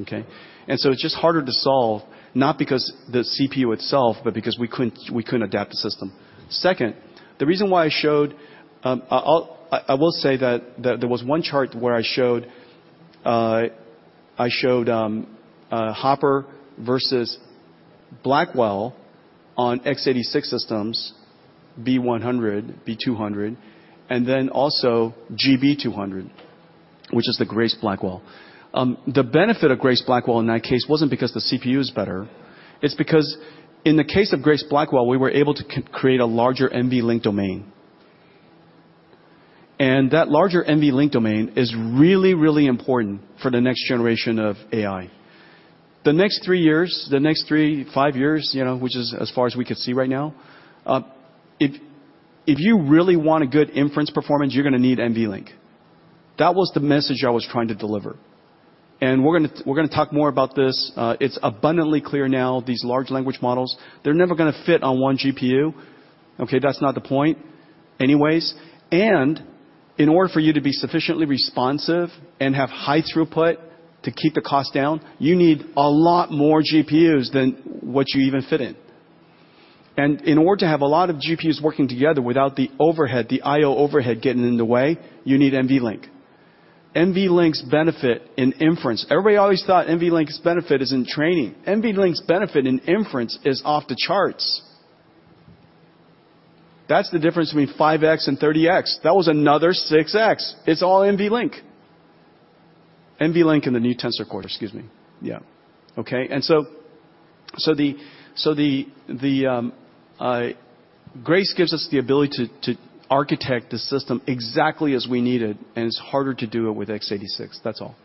Okay. And so it's just harder to solve, not because the CPU itself, but because we couldn't adapt the system. Second, the reason why I showed—I will say that there was one chart where I showed Hopper versus Blackwell on x86 systems, B100, B200, and then also GB200, which is the Grace Blackwell. The benefit of Grace Blackwell in that case wasn't because the CPU is better. It's because in the case of Grace Blackwell, we were able to create a larger NVLink domain. That larger NVLink domain is really, really important for the next generation of AI. The next three years, the next three, five years, which is as far as we could see right now, if you really want a good inference performance, you're going to need NVLink. That was the message I was trying to deliver. We're going to talk more about this. It's abundantly clear now, these large language models, they're never going to fit on one GPU. Okay. That's not the point anyways. In order for you to be sufficiently responsive and have high throughput to keep the cost down, you need a lot more GPUs than what you even fit in. And in order to have a lot of GPUs working together without the I/O overhead getting in the way, you need NVLink. NVLink's benefit in inference, everybody always thought NVLink's benefit is in training. NVLink's benefit in inference is off the charts. That's the difference between 5x and 30x. That was another 6x. It's all NVLink. NVLink and the new Tensor Core. Excuse me. Yeah. Okay. And so Grace gives us the ability to architect the system exactly as we need it, and it's harder to do it with x86. That's all.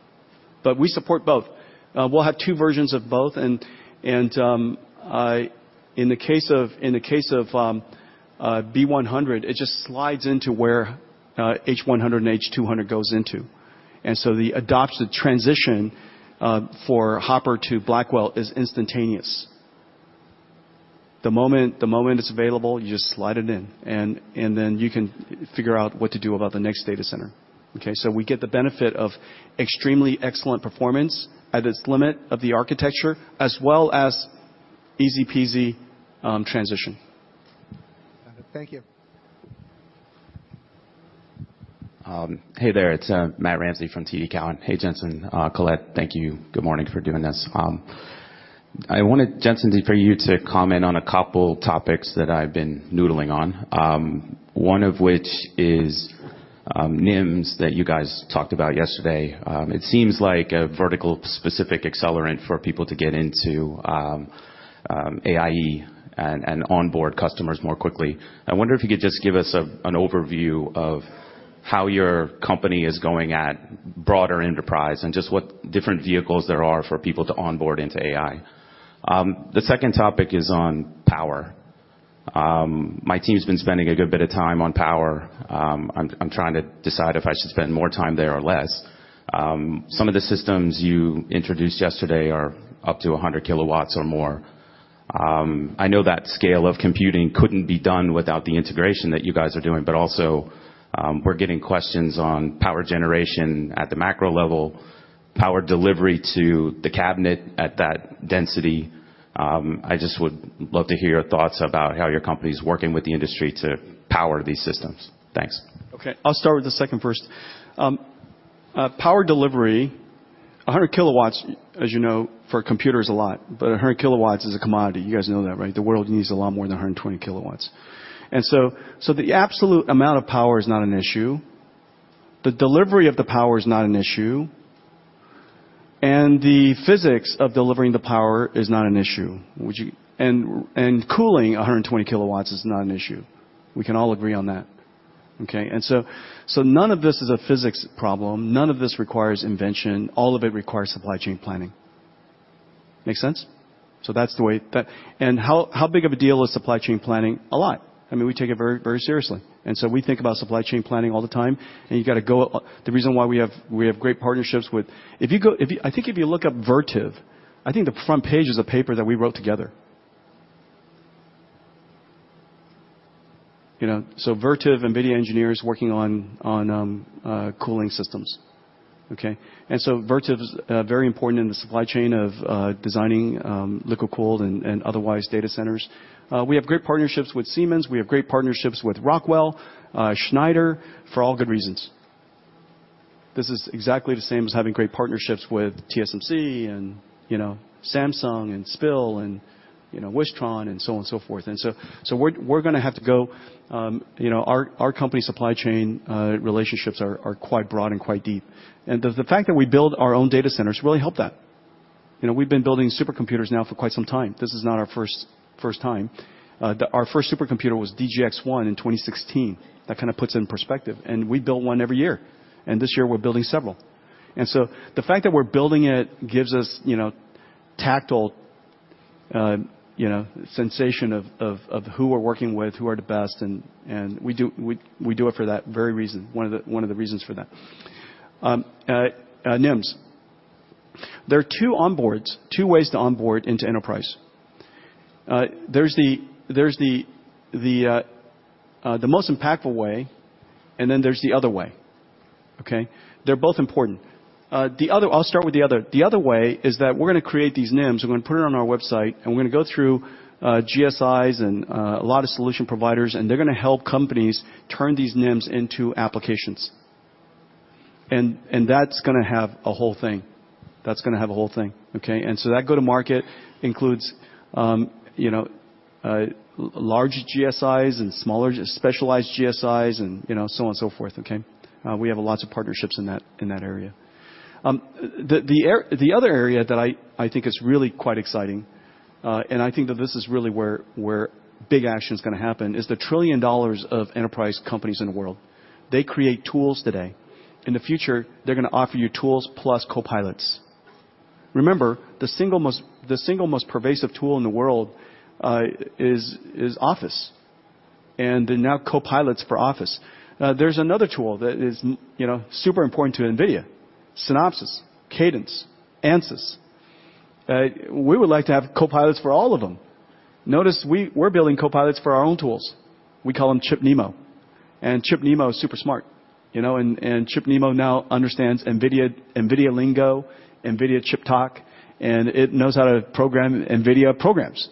But we support both. We'll have two versions of both. And in the case of B100, it just slides into where H100 and H200 goes into. And so the transition for Hopper to Blackwell is instantaneous. The moment it's available, you just slide it in, and then you can figure out what to do about the next data center. Okay. So we get the benefit of extremely excellent performance at its limit of the architecture as well as easy-peasy transition. Thank you. Hey there. It's Matt Ramsay from TD Cowen. Hey, Jensen. Colette, thank you. Good morning for doing this. I wanted, Jensen, for you to comment on a couple of topics that I've been noodling on, one of which is NIMs that you guys talked about yesterday. It seems like a vertical-specific accelerant for people to get into AIE and onboard customers more quickly. I wonder if you could just give us an overview of how your company is going at broader enterprise and just what different vehicles there are for people to onboard into AI. The second topic is on power. My team's been spending a good bit of time on power. I'm trying to decide if I should spend more time there or less. Some of the systems you introduced yesterday are up to 100 kW or more. I know that scale of computing couldn't be done without the integration that you guys are doing. But also we're getting questions on power generation at the macro level, power delivery to the cabinet at that density. I just would love to hear your thoughts about how your company is working with the industry to power these systems. Thanks. Okay. I'll start with the second first. Power delivery, 100 kW, as you know, for computers a lot. But 100 kW is a commodity. You guys know that, right? The world needs a lot more than 120 kW. And so the absolute amount of power is not an issue. The delivery of the power is not an issue. And the physics of delivering the power is not an issue. And cooling, 120 kW is not an issue. We can all agree on that. Okay. And so none of this is a physics problem. None of this requires invention. All of it requires supply chain planning. Makes sense? So that's the way that and how big of a deal is supply chain planning? A lot. I mean, we take it very, very seriously. And so we think about supply chain planning all the time. You got to go. The reason why we have great partnerships with—if you go, I think if you look up Vertiv, I think the front page is a paper that we wrote together. So, Vertiv, NVIDIA engineers working on cooling systems. Okay. And so, Vertiv is very important in the supply chain of designing liquid-cooled and otherwise data centers. We have great partnerships with Siemens. We have great partnerships with Rockwell, Schneider, for all good reasons. This is exactly the same as having great partnerships with TSMC and Samsung and SPIL and Wistron and so on and so forth. And so, we're going to have to go. Our company supply chain relationships are quite broad and quite deep. And the fact that we build our own data centers really helped that. We've been building supercomputers now for quite some time. This is not our first time. Our first supercomputer was DGX-1 in 2016. That kind of puts in perspective. We build one every year. This year, we're building several. So the fact that we're building it gives us tactile sensation of who we're working with, who are the best. We do it for that very reason, one of the reasons for that. NIMs, there are two onboards, two ways to onboard into enterprise. There's the most impactful way, and then there's the other way. Okay. They're both important. I'll start with the other. The other way is that we're going to create these NIMs. We're going to put it on our website, and we're going to go through GSIs and a lot of solution providers. They're going to help companies turn these NIMs into applications. That's going to have a whole thing. That's going to have a whole thing. Okay. That go-to-market includes large GSIs and smaller specialized GSIs and so on and so forth. Okay. We have lots of partnerships in that area. The other area that I think is really quite exciting, and I think that this is really where big action is going to happen, is the $1 trillion of enterprise companies in the world. They create tools today. In the future, they're going to offer you tools plus co-pilots. Remember, the single most pervasive tool in the world is Office. They're now co-pilots for Office. There's another tool that is super important to NVIDIA, Synopsys, Cadence, ANSYS. We would like to have co-pilots for all of them. Notice we're building co-pilots for our own tools. We call them ChipNeMo. ChipNeMo is super smart. ChipNeMo now understands NVIDIA Lingo, NVIDIA ChipTalk, and it knows how to program NVIDIA programs.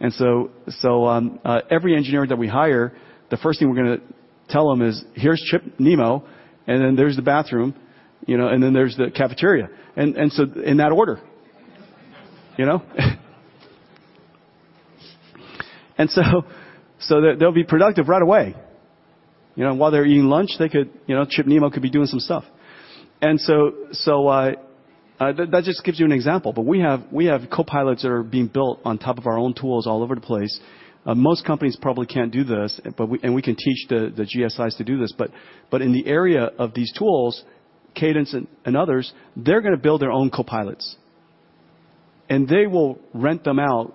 Every engineer that we hire, the first thing we're going to tell them is, "Here's ChipNeMo. And then there's the bathroom. And then there's the cafeteria." In that order. They'll be productive right away. While they're eating lunch, ChipNeMo could be doing some stuff. That just gives you an example. But we have co-pilots that are being built on top of our own tools all over the place. Most companies probably can't do this, and we can teach the GSIs to do this. But in the area of these tools, Cadence and others, they're going to build their own co-pilots. And they will rent them out,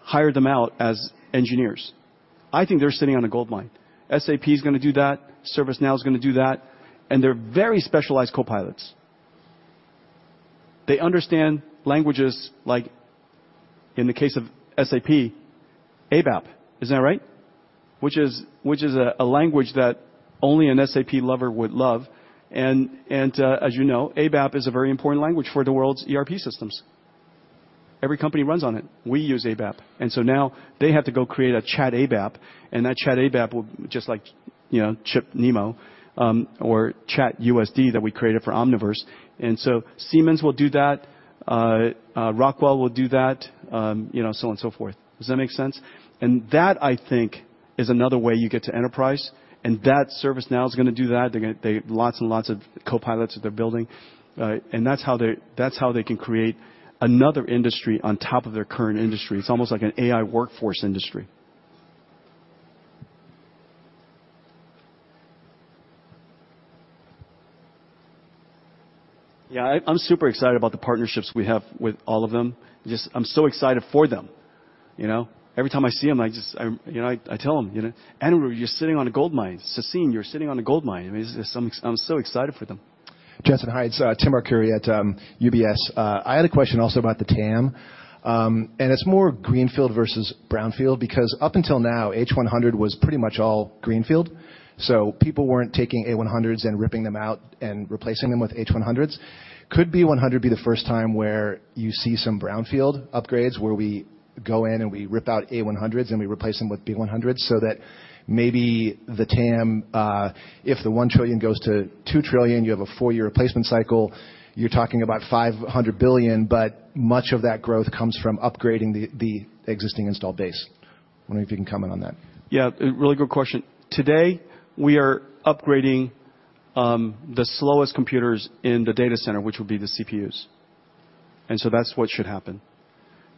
hire them out as engineers. I think they're sitting on a goldmine. SAP is going to do that. ServiceNow is going to do that. And they're very specialized co-pilots. They understand languages like in the case of SAP, ABAP, isn't that right? Which is a language that only an SAP lover would love. As you know, ABAP is a very important language for the world's ERP systems. Every company runs on it. We use ABAP. So now they have to go create a ChatABAP. And that ChatABAP will just like ChipNeMo or ChatUSD that we created for Omniverse. So Siemens will do that. Rockwell will do that, so on and so forth. Does that make sense? That, I think, is another way you get to enterprise. ServiceNow is going to do that. They have lots and lots of co-pilots that they're building. That's how they can create another industry on top of their current industry. It's almost like an AI workforce industry. Yeah. I'm super excited about the partnerships we have with all of them. I'm so excited for them. Every time I see them, I tell them, "Anirudh, you're sitting on a goldmine. Sassine, you're sitting on a goldmine." I'm so excited for them. hi, it's Tim Arcuri at UBS. I had a question also about the TAM. It's more greenfield versus brownfield because up until now, H100 was pretty much all greenfield. So people weren't taking A100s and ripping them out and replacing them with H100s. Could B100 be the first time where you see some brownfield upgrades, where we go in and we rip out A100s and we replace them with B100s so that maybe the TAM, if the $1 trillion goes to $2 trillion, you have a four-year replacement cycle. You're talking about $500 billion. But much of that growth comes from upgrading the existing installed base. I wonder if you can comment on that. Yeah. Really good question. Today, we are upgrading the slowest computers in the data center, which would be the CPUs. And so that's what should happen.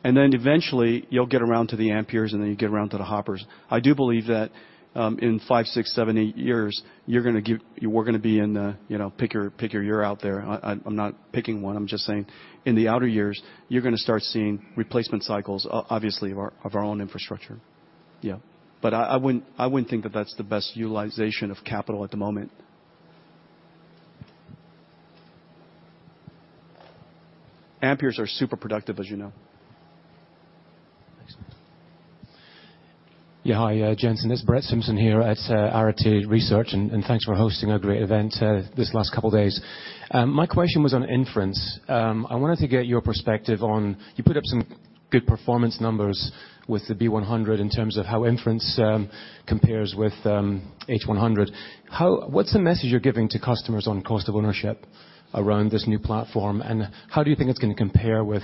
And then eventually, you'll get around to the Amperes, and then you get around to the Hoppers. I do believe that in five, six, seven, eight years, we're going to be in pick your year out there. I'm not picking one. I'm just saying in the outer years, you're going to start seeing replacement cycles, obviously, of our own infrastructure. Yeah. But I wouldn't think that that's the best utilization of capital at the moment. Amperes are super productive, as you know. Yeah. Hi, Jensen. It's Brett Simpson here at Arete Research. Thanks for hosting a great event this last couple of days. My question was on inference. I wanted to get your perspective on you put up some good performance numbers with the B100 in terms of how inference compares with H100. What's the message you're giving to customers on cost of ownership around this new platform? And how do you think it's going to compare with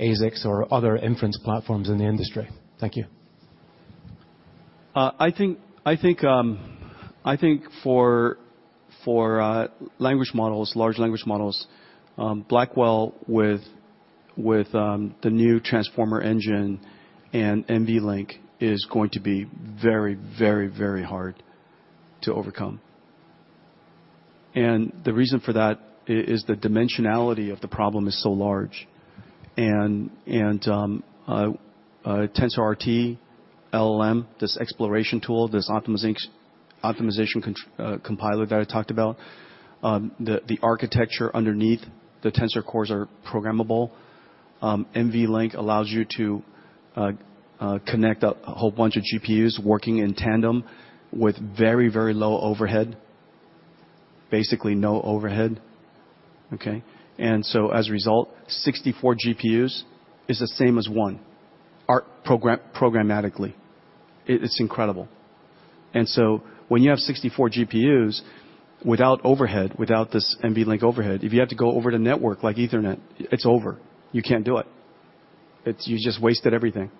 ASICs or other inference platforms in the industry? Thank you. I think for large language models, Blackwell with the new transformer engine and NVLink is going to be very, very, very hard to overcome. The reason for that is the dimensionality of the problem is so large. TensorRT-LLM, this exploration tool, this optimization compiler that I talked about, the architecture underneath the Tensor Cores are programmable. NVLink allows you to connect a whole bunch of GPUs working in tandem with very, very low overhead, basically no overhead. Okay. So as a result, 64 GPUs is the same as one programmatically. It's incredible. So when you have 64 GPUs without overhead, without this NVLink overhead, if you have to go over to network like Ethernet, it's over. You can't do it. You just wasted everything.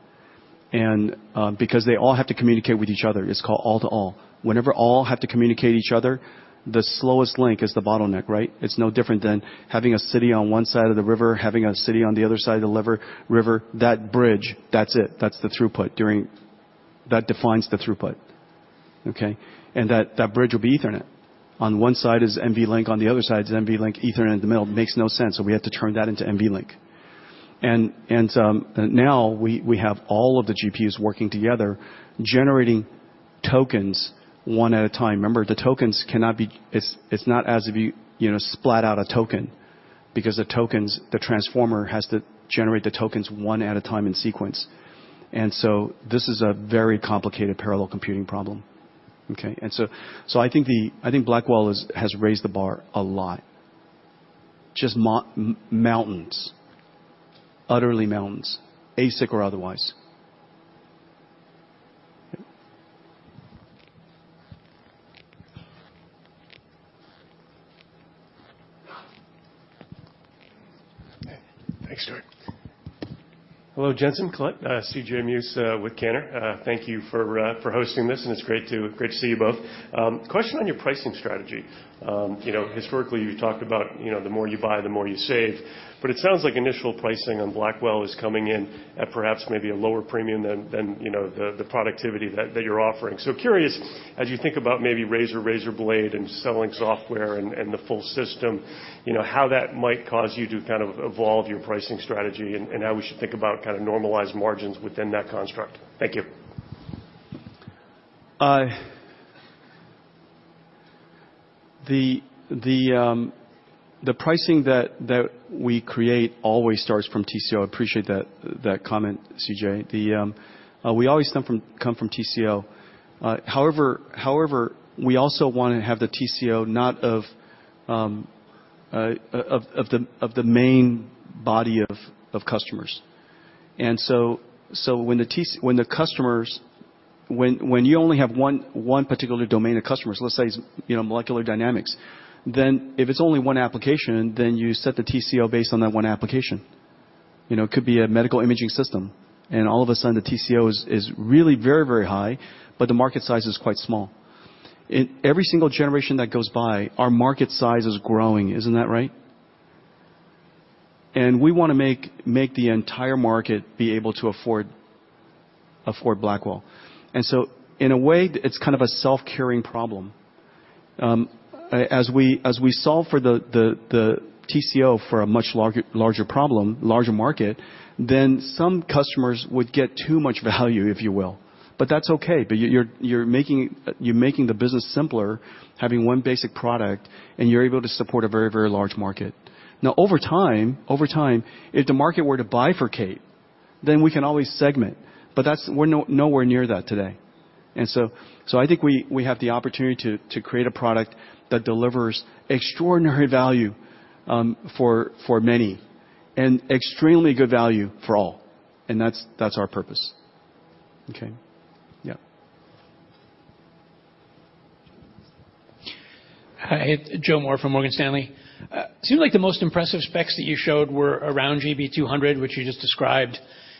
Because they all have to communicate with each other, it's called all-to-all. Whenever all have to communicate each other, the slowest link is the bottleneck, right? It's no different than having a city on one side of the river, having a city on the other side of the river, that bridge, that's it. That's the throughput. That defines the throughput. Okay. And that bridge will be Ethernet. On one side is NVLink. On the other side is NVLink, Ethernet in the middle. It makes no sense. So we had to turn that into NVLink. And now we have all of the GPUs working together, generating tokens one at a time. Remember, the tokens cannot be. It's not as if you splat out a token because the transformer has to generate the tokens one at a time in sequence. And so this is a very complicated parallel computing problem. Okay. And so I think Blackwell has raised the bar a lot, just mountains, utterly mountains, ASIC or otherwise. Thanks, George. Hello, Jensen. Let C.J. Muse with Cantor. Thank you for hosting this. It's great to see you both. Question on your pricing strategy. Historically, you've talked about the more you buy, the more you save. But it sounds like initial pricing on Blackwell is coming in at perhaps maybe a lower premium than the productivity that you're offering. So curious, as you think about maybe razor, razorBlade, and selling software and the full system, how that might cause you to kind of evolve your pricing strategy and how we should think about kind of normalized margins within that construct. Thank you. The pricing that we create always starts from TCO. I appreciate that comment, CJ. We always come from TCO. However, we also want to have the TCO not of the main body of customers. And so when you only have one particular domain of customers, let's say molecular dynamics, then if it's only one application, then you set the TCO based on that one application. It could be a medical imaging system. And all of a sudden, the TCO is really very, very high, but the market size is quite small. In every single generation that goes by, our market size is growing, isn't that right? And we want to make the entire market be able to afford Blackwell. And so in a way, it's kind of a self-curing problem. As we solve for the TCO for a much larger problem, larger market, then some customers would get too much value, if you will. But that's okay. But you're making the business simpler, having one basic product, and you're able to support a very, very large market. Now, over time, if the market were to bifurcate, then we can always segment. But we're nowhere near that today. And so I think we have the opportunity to create a product that delivers extraordinary value for many and extremely good value for all. And that's our purpose. Okay. Yeah. Hi. Joe Moore from Morgan Stanley. It seems like the most impressive specs that you showed were around GB200, which you just described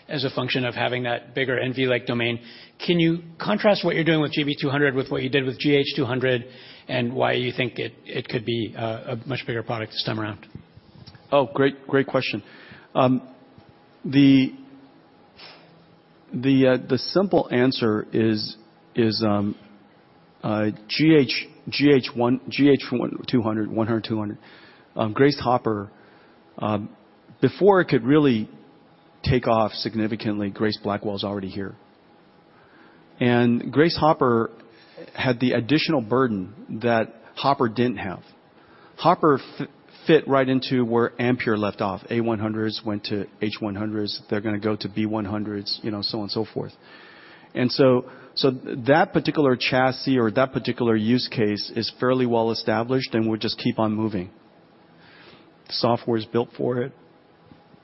as a function of having that bigger NVLink domain. Can you contrast what you're doing with GB200 with what you did with GH200 and why you think it could be a much bigger product this time around? Oh, great question. The simple answer is GH200, H100, H200. Grace Hopper, before it could really take off significantly, Grace Blackwell's already here. And Grace Hopper had the additional burden that Hopper didn't have. Hopper fit right into where Ampere left off. A100s went to H100s. They're going to go to B100s, so on and so forth. And so that particular chassis or that particular use case is fairly well established, and we'll just keep on moving. The software is built for it.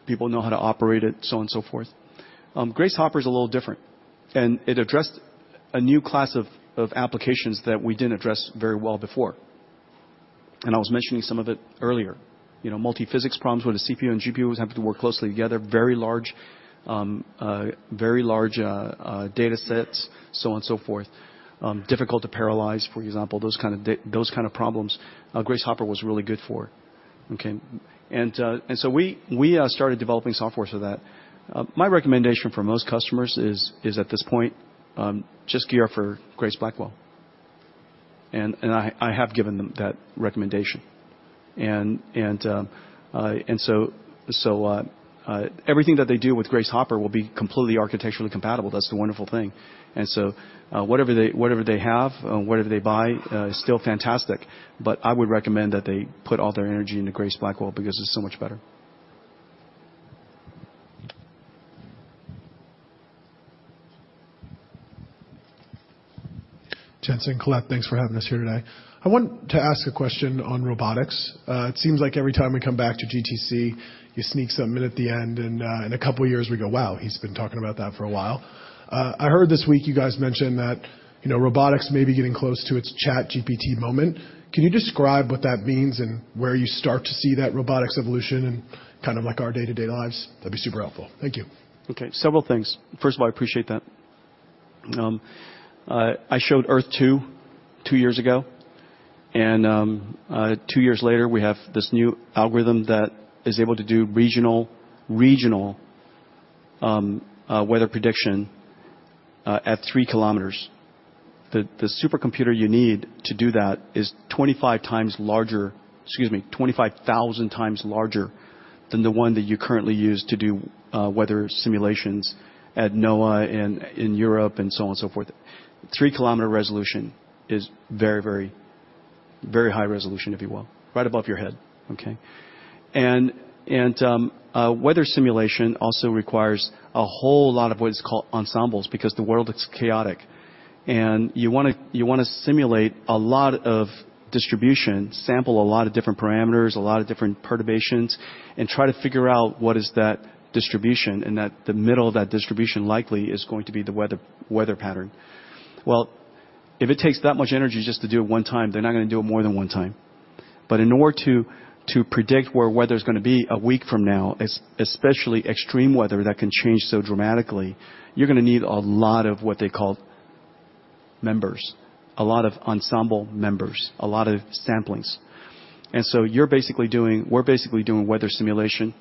People know how to operate it, so on and so forth. Grace Hopper's a little different. And it addressed a new class of applications that we didn't address very well before. And I was mentioning some of it earlier. Multiphysics problems where the CPU and GPUs have to work closely together, very large data sets, so on and so forth, difficult to parallelize, for example, those kinds of problems, Grace Hopper was really good for. Okay. And so we started developing software for that. My recommendation for most customers is at this point, just gear up for Grace Blackwell. And I have given them that recommendation. And so everything that they do with Grace Hopper will be completely architecturally compatible. That's the wonderful thing. And so whatever they have, whatever they buy, is still fantastic. But I would recommend that they put all their energy into Grace Blackwell because it's so much better. Jensen Huang, thanks for having us here today. I wanted to ask a question on robotics. It seems like every time we come back to GTC, you sneak something in at the end. In a couple of years, we go, "Wow, he's been talking about that for a while." I heard this week you guys mention that robotics may be getting close to its ChatGPT moment. Can you describe what that means and where you start to see that robotics evolution in kind of our day-to-day lives? That'd be super helpful. Thank you. Okay. Several things. First of all, I appreciate that. I showed Earth-2 two years ago. And two years later, we have this new algorithm that is able to do regional weather prediction at 3 km. The supercomputer you need to do that is 25 times larger, excuse me, 25,000 times larger than the one that you currently use to do weather simulations at NOAA in Europe and so on and so forth. 3 km resolution is very, very high resolution, if you will, right above your head. Okay. And weather simulation also requires a whole lot of what is called ensembles because the world is chaotic. And you want to simulate a lot of distribution, sample a lot of different parameters, a lot of different perturbations, and try to figure out what is that distribution and that the middle of that distribution likely is going to be the weather pattern. Well, if it takes that much energy just to do it one time, they're not going to do it more than one time. But in order to predict where weather's going to be a week from now, especially extreme weather that can change so dramatically, you're going to need a lot of what they call members, a lot of ensemble members, a lot of samplings. And so we're basically doing weather simulation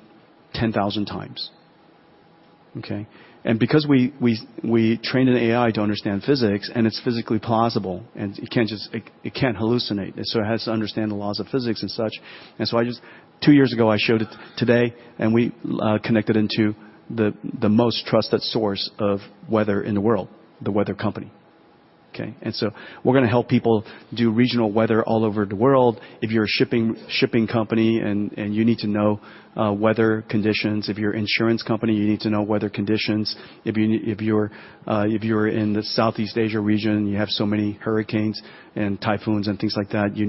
10,000 times. Okay. And because we trained an AI to understand physics, and it's physically plausible, and it can't hallucinate, and so it has to understand the laws of physics and such. And so two years ago, I showed it today, and we connected into the most trusted source of weather in the world, The Weather Company. Okay. And so we're going to help people do regional weather all over the world. If you're a shipping company and you need to know weather conditions, if you're an insurance company, you need to know weather conditions. If you're in the Southeast Asia region, you have so many hurricanes and typhoons and things like that, you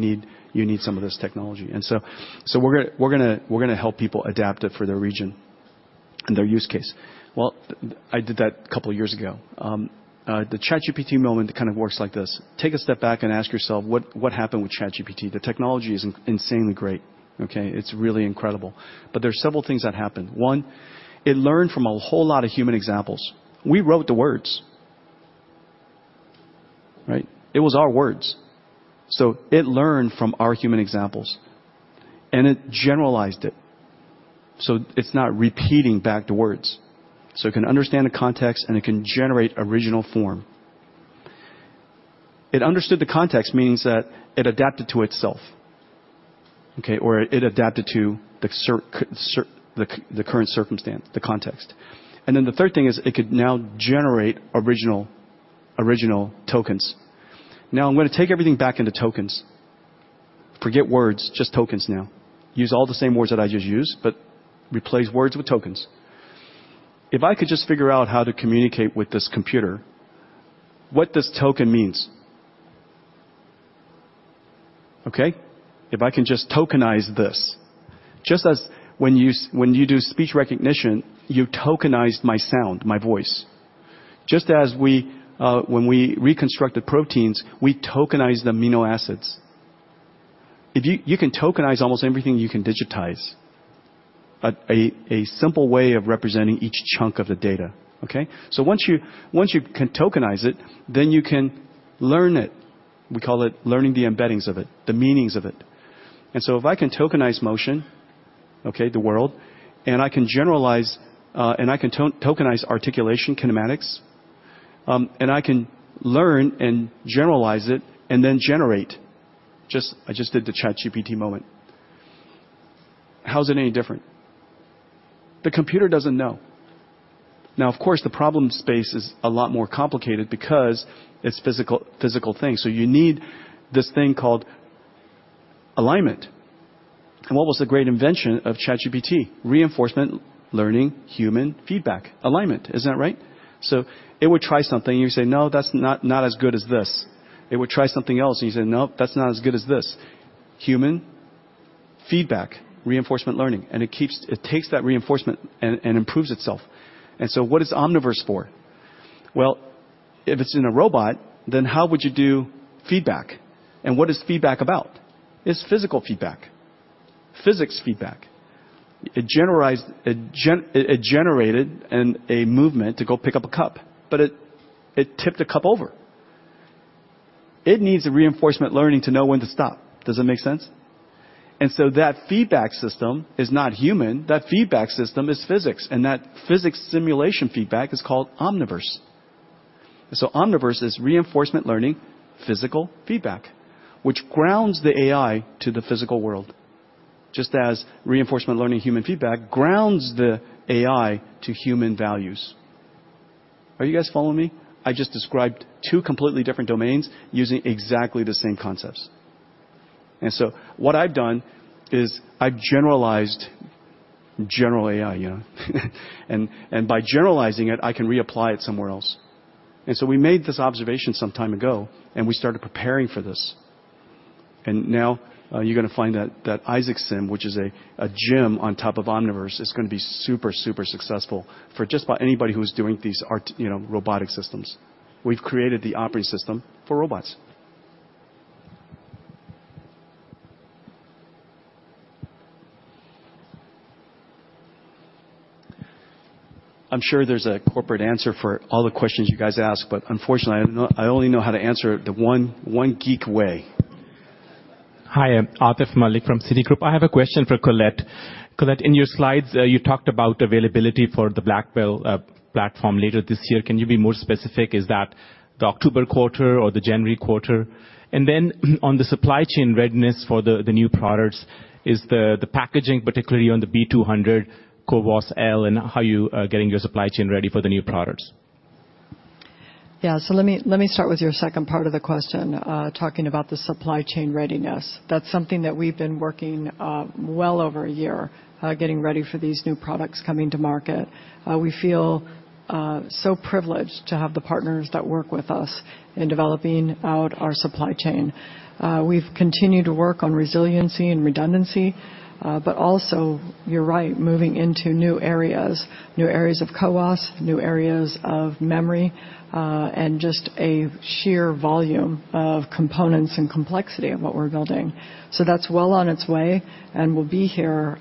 need some of this technology. So we're going to help people adapt it for their region and their use case. Well, I did that a couple of years ago. The ChatGPT moment kind of works like this. Take a step back and ask yourself, "What happened with ChatGPT?" The technology is insanely great. Okay. It's really incredible. But there are several things that happened. One, it learned from a whole lot of human examples. We wrote the words, right? It was our words. So it learned from our human examples, and it generalized it. So it's not repeating back to words. So it can understand the context, and it can generate original form. It understood the context, meaning that it adapted to itself, okay, or it adapted to the current circumstance, the context. And then the third thing is it could now generate original tokens. Now, I'm going to take everything back into tokens. Forget words, just tokens now. Use all the same words that I just used, but replace words with tokens. If I could just figure out how to communicate with this computer, what this token means, okay, if I can just tokenize this, just as when you do speech recognition, you tokenized my sound, my voice. Just as when we reconstructed proteins, we tokenized amino acids. You can tokenize almost everything you can digitize, a simple way of representing each chunk of the data. Okay. So once you can tokenize it, then you can learn it. We call it learning the embeddings of it, the meanings of it. And so if I can tokenize motion, okay, the world, and I can generalize and I can tokenize articulation, kinematics, and I can learn and generalize it and then generate, I just did the ChatGPT moment. How's it any different? The computer doesn't know. Now, of course, the problem space is a lot more complicated because it's physical things. So you need this thing called alignment. And what was the great invention of ChatGPT? Reinforcement learning, human feedback, alignment, isn't that right? So it would try something, and you say, "No, that's not as good as this." It would try something else, and you say, "Nope, that's not as good as this." Human feedback, reinforcement learning. And it takes that reinforcement and improves itself. And so what is Omniverse for? Well, if it's in a robot, then how would you do feedback? And what is feedback about? It's physical feedback, physics feedback. It generated a movement to go pick up a cup, but it tipped a cup over. It needs reinforcement learning to know when to stop. Does that make sense? And so that feedback system is not human. That feedback system is physics. And that physics simulation feedback is called Omniverse. And so Omniverse is reinforcement learning, physical feedback, which grounds the AI to the physical world, just as reinforcement learning, human feedback, grounds the AI to human values. Are you guys following me? I just described two completely different domains using exactly the same concepts. And so what I've done is I've generalized general AI. And by generalizing it, I can reapply it somewhere else. We made this observation some time ago, and we started preparing for this. Now you're going to find that Isaac Sim, which is a gem on top of Omniverse, is going to be super, super successful for just about anybody who's doing these robotic systems. We've created the operating system for robots. I'm sure there's a corporate answer for all the questions you guys ask, but unfortunately, I only know how to answer it the one geek way. Hi. I'm Atif Malik from Citigroup. I have a question for Colette. Colette, in your slides, you talked about availability for the Blackwell platform later this year. Can you be more specific? Is that the October quarter or the January quarter? And then on the supply chain readiness for the new products, is the packaging, particularly on the B200, CoWoS-L, ready? And how are you getting your supply chain ready for the new products? Yeah. So let me start with your second part of the question, talking about the supply chain readiness. That's something that we've been working well over a year, getting ready for these new products coming to market. We feel so privileged to have the partners that work with us in developing out our supply chain. We've continued to work on resiliency and redundancy. But also, you're right, moving into new areas, new areas of CoWoS, new areas of memory, and just a sheer volume of components and complexity of what we're building. So that's well on its way, and we'll be here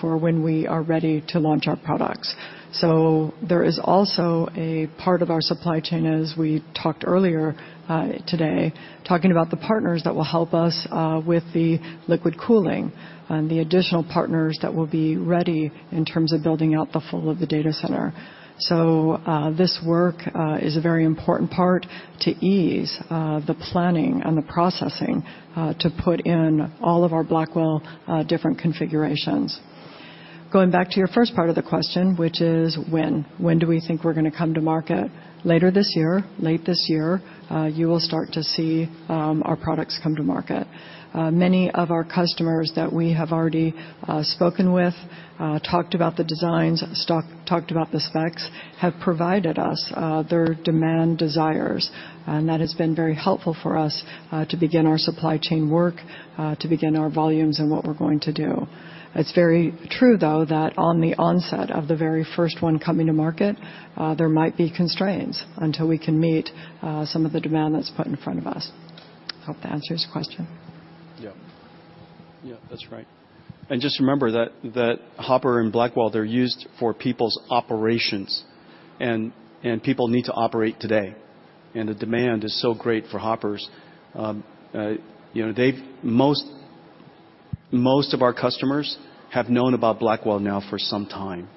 for when we are ready to launch our products. So there is also a part of our supply chain, as we talked earlier today, talking about the partners that will help us with the liquid cooling and the additional partners that will be ready in terms of building out the full of the data center. So this work is a very important part to ease the planning and the processing to put in all of our Blackwell different configurations. Going back to your first part of the question, which is when, when do we think we're going to come to market? Later this year, late this year, you will start to see our products come to market. Many of our customers that we have already spoken with, talked about the designs, talked about the specs, have provided us their demand desires. That has been very helpful for us to begin our supply chain work, to begin our volumes and what we're going to do. It's very true, though, that on the onset of the very first one coming to market, there might be constraints until we can meet some of the demand that's put in front of us. Hope that answers your question. Yeah. Yeah, that's right. And just remember that Hopper and Blackwell, they're used for people's operations. And people need to operate today. And the demand is so great for Hoppers. Most of our customers have known about Blackwell now for some time,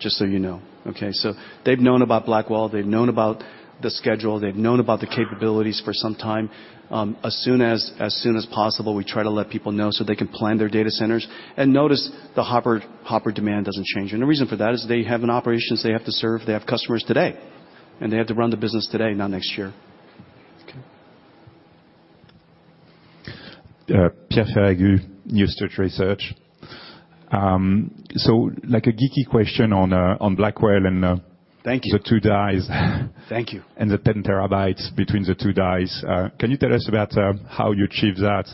just so you know. Okay. So they've known about Blackwell. They've known about the schedule. They've known about the capabilities for some time. As soon as possible, we try to let people know so they can plan their data centers and notice the Hopper demand doesn't change. And the reason for that is they have operations they have to serve. They have customers today. And they have to run the business today, not next year. Okay. Pierre Ferragu, New Street Research. So a geeky question on Blackwell and the two dies and the 10 TB between the two dies. Can you tell us about how you achieve that,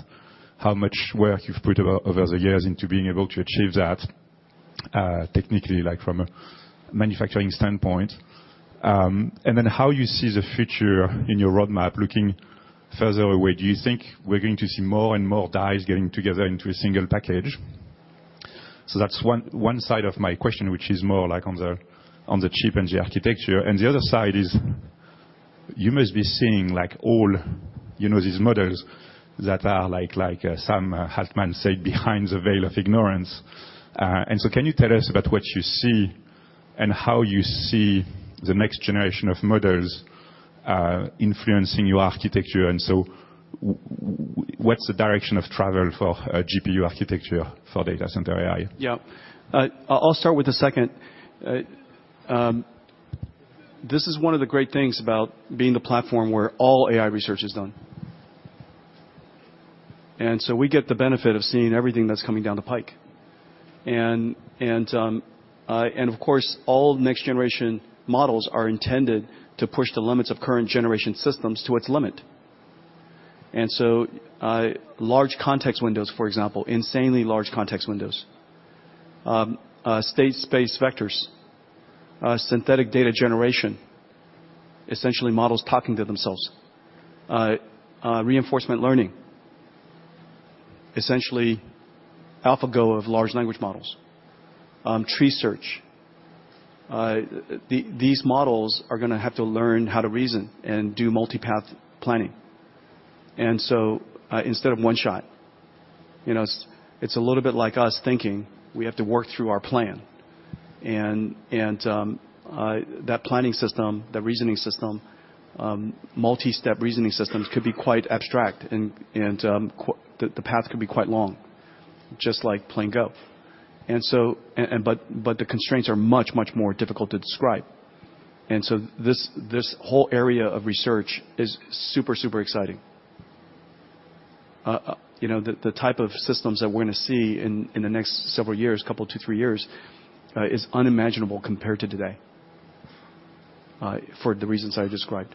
how much work you've put over the years into being able to achieve that technically from a manufacturing standpoint, and then how you see the future in your roadmap looking further away? Do you think we're going to see more and more dies getting together into a single package? So that's one side of my question, which is more on the chip and the architecture. And the other side is you must be seeing all these models that are, like Sam Altman said, behind the veil of ignorance. And so can you tell us about what you see and how you see the next generation of models influencing your architecture? What's the direction of travel for GPU architecture for data center AI? Yeah. I'll start with a second. This is one of the great things about being the platform where all AI research is done. So we get the benefit of seeing everything that's coming down the pike. Of course, all next-generation models are intended to push the limits of current-generation systems to its limit. So large context windows, for example, insanely large context windows, state-space vectors, synthetic data generation, essentially models talking to themselves, reinforcement learning, essentially AlphaGo of large language models, tree search. These models are going to have to learn how to reason and do multipath planning. So instead of one shot, it's a little bit like us thinking we have to work through our plan. That planning system, that reasoning system, multi-step reasoning systems could be quite abstract, and the path could be quite long, just like playing Go. But the constraints are much, much more difficult to describe. And so this whole area of research is super, super exciting. The type of systems that we're going to see in the next several years, couple, two, three years, is unimaginable compared to today for the reasons I described.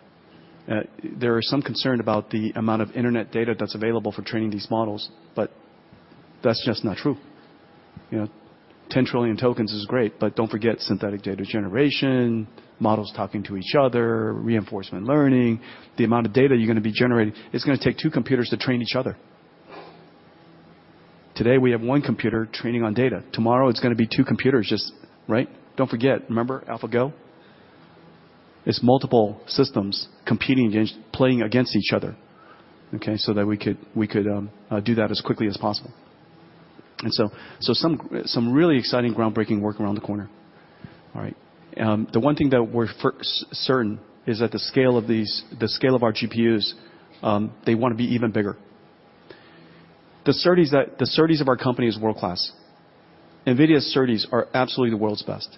There is some concern about the amount of internet data that's available for training these models, but that's just not true. 10 trillion tokens is great. But don't forget synthetic data generation, models talking to each other, reinforcement learning. The amount of data you're going to be generating, it's going to take two computers to train each other. Today, we have one computer training on data. Tomorrow, it's going to be two computers, right? Don't forget. Remember AlphaGo? It's multiple systems competing against, playing against each other, okay, so that we could do that as quickly as possible. And so some really exciting, groundbreaking work around the corner. All right. The one thing that we're certain is that the scale of our GPUs, they want to be even bigger. The SerDes of our company is world-class. NVIDIA's SerDes are absolutely the world's best.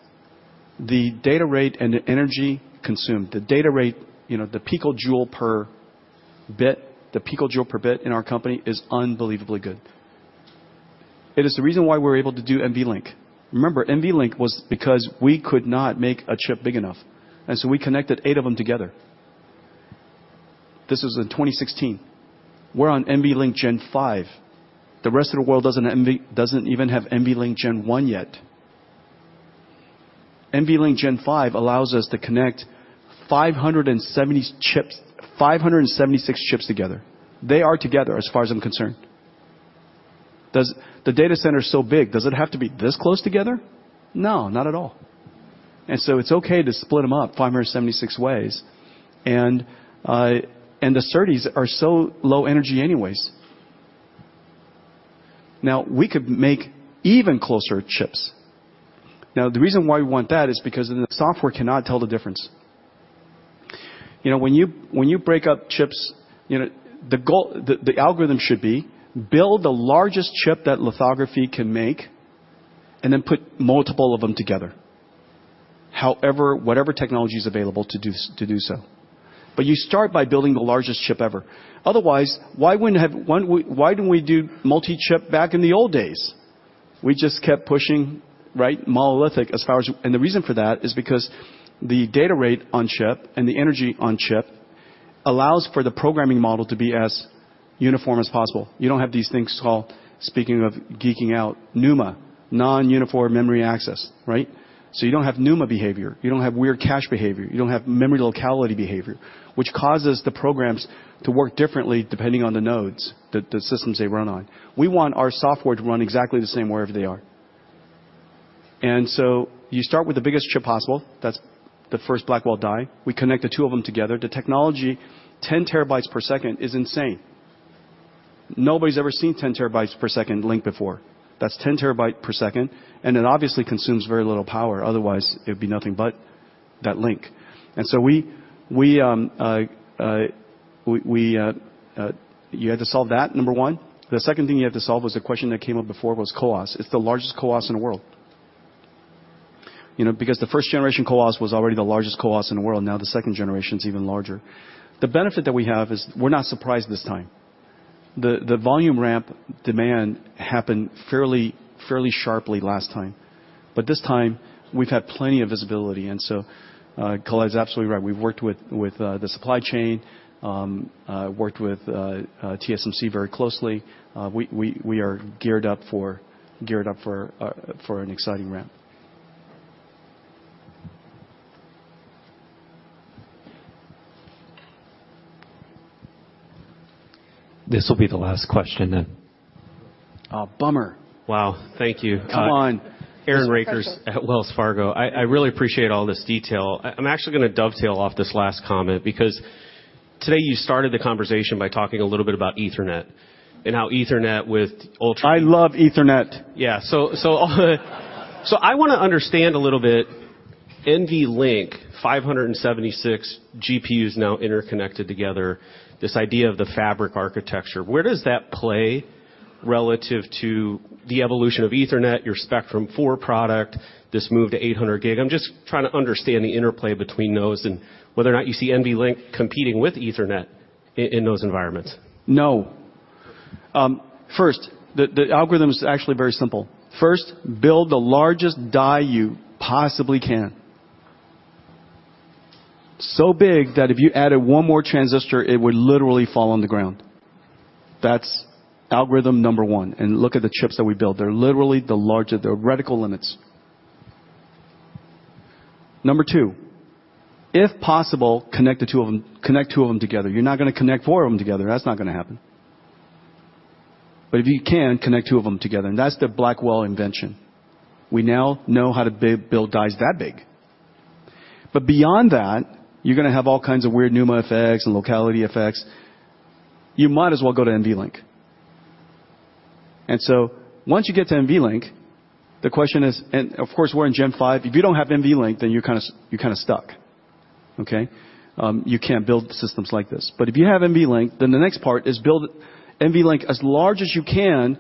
The data rate and the energy consumed, the data rate, the picojoule per bit, the picojoule per bit in our company is unbelievably good. It is the reason why we're able to do NVLink. Remember, NVLink was because we could not make a chip big enough. And so we connected eight of them together. This was in 2016. We're on NVLink Gen 5. The rest of the world doesn't even have NVLink Gen 1 yet. NVLink Gen 5 allows us to connect 576 chips together. They are together, as far as I'm concerned. The data center is so big. Does it have to be this close together? No, not at all. And so it's okay to split them up 576 ways. And the SerDes are so low energy anyways. Now, we could make even closer chips. Now, the reason why we want that is because the software cannot tell the difference. When you break up chips, the algorithm should be build the largest chip that lithography can make and then put multiple of them together, whatever technology is available to do so. But you start by building the largest chip ever. Otherwise, why wouldn't we do multi-chip back in the old days? We just kept pushing monolithic as far as and the reason for that is because the data rate on chip and the energy on chip allows for the programming model to be as uniform as possible. You don't have these things called, speaking of geeking out, NUMA, non-uniform memory access, right? So you don't have NUMA behavior. You don't have weird cache behavior. You don't have memory locality behavior, which causes the programs to work differently depending on the nodes, the systems they run on. We want our software to run exactly the same wherever they are. And so you start with the biggest chip possible. That's the first Blackwell die. We connect the two of them together. The technology, 10 TB/s, is insane. Nobody's ever seen 10 TB/s link before. That's 10 TB/s. And it obviously consumes very little power. Otherwise, it would be nothing but that link. And so you had to solve that, number one. The second thing you had to solve was the question that came up before was CoWoS. It's the largest CoWoS in the world because the first-generation CoWoS was already the largest CoWoS in the world. Now, the second generation is even larger. The benefit that we have is we're not surprised this time. The volume ramp demand happened fairly sharply last time. But this time, we've had plenty of visibility. And so Colette's absolutely right. We've worked with the supply chain, worked with TSMC very closely. We are geared up for an exciting ramp. This will be the last question then. Bummer. Wow. Thank you. Come on. Aaron Rakers at Wells Fargo. I really appreciate all this detail. I'm actually going to dovetail off this last comment because today you started the conversation by talking a little bit about Ethernet and how Ethernet with Ultra. I love Ethernet. Yeah. So I want to understand a little bit NVLink, 576 GPUs now interconnected together, this idea of the fabric architecture. Where does that play relative to the evolution of Ethernet, your Spectrum-X product, this move to 800 gig? I'm just trying to understand the interplay between those and whether or not you see NVLink competing with Ethernet in those environments. No. First, the algorithm is actually very simple. First, build the largest die you possibly can, so big that if you added one more transistor, it would literally fall on the ground. That's algorithm number one. And look at the chips that we build. They're literally the largest, their radical limits. Number two, if possible, connect the two of them, connect two of them together. You're not going to connect four of them together. That's not going to happen. But if you can, connect two of them together. And that's the Blackwell invention. We now know how to build dies that big. But beyond that, you're going to have all kinds of weird NUMA effects and locality effects. You might as well go to NVLink. And so once you get to NVLink, the question is, and of course, we're in Gen 5. If you don't have NVLink, then you're kind of stuck. Okay? You can't build systems like this. But if you have NVLink, then the next part is build NVLink as large as you can,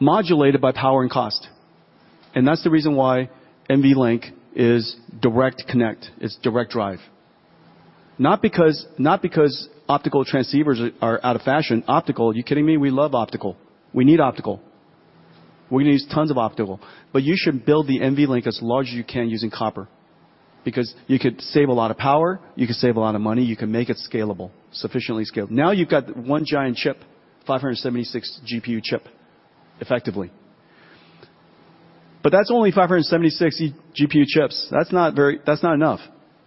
modulated by power and cost. And that's the reason why NVLink is direct connect, it's direct drive, not because optical transceivers are out of fashion. Optical, you kidding me? We love optical. We need optical. We're going to use tons of optical. But you should build the NVLink as large as you can using copper because you could save a lot of power. You could save a lot of money. You can make it scalable, sufficiently scalable. Now you've got one giant chip, 576 GPU chip effectively. But that's only 576 GPU chips. That's not enough.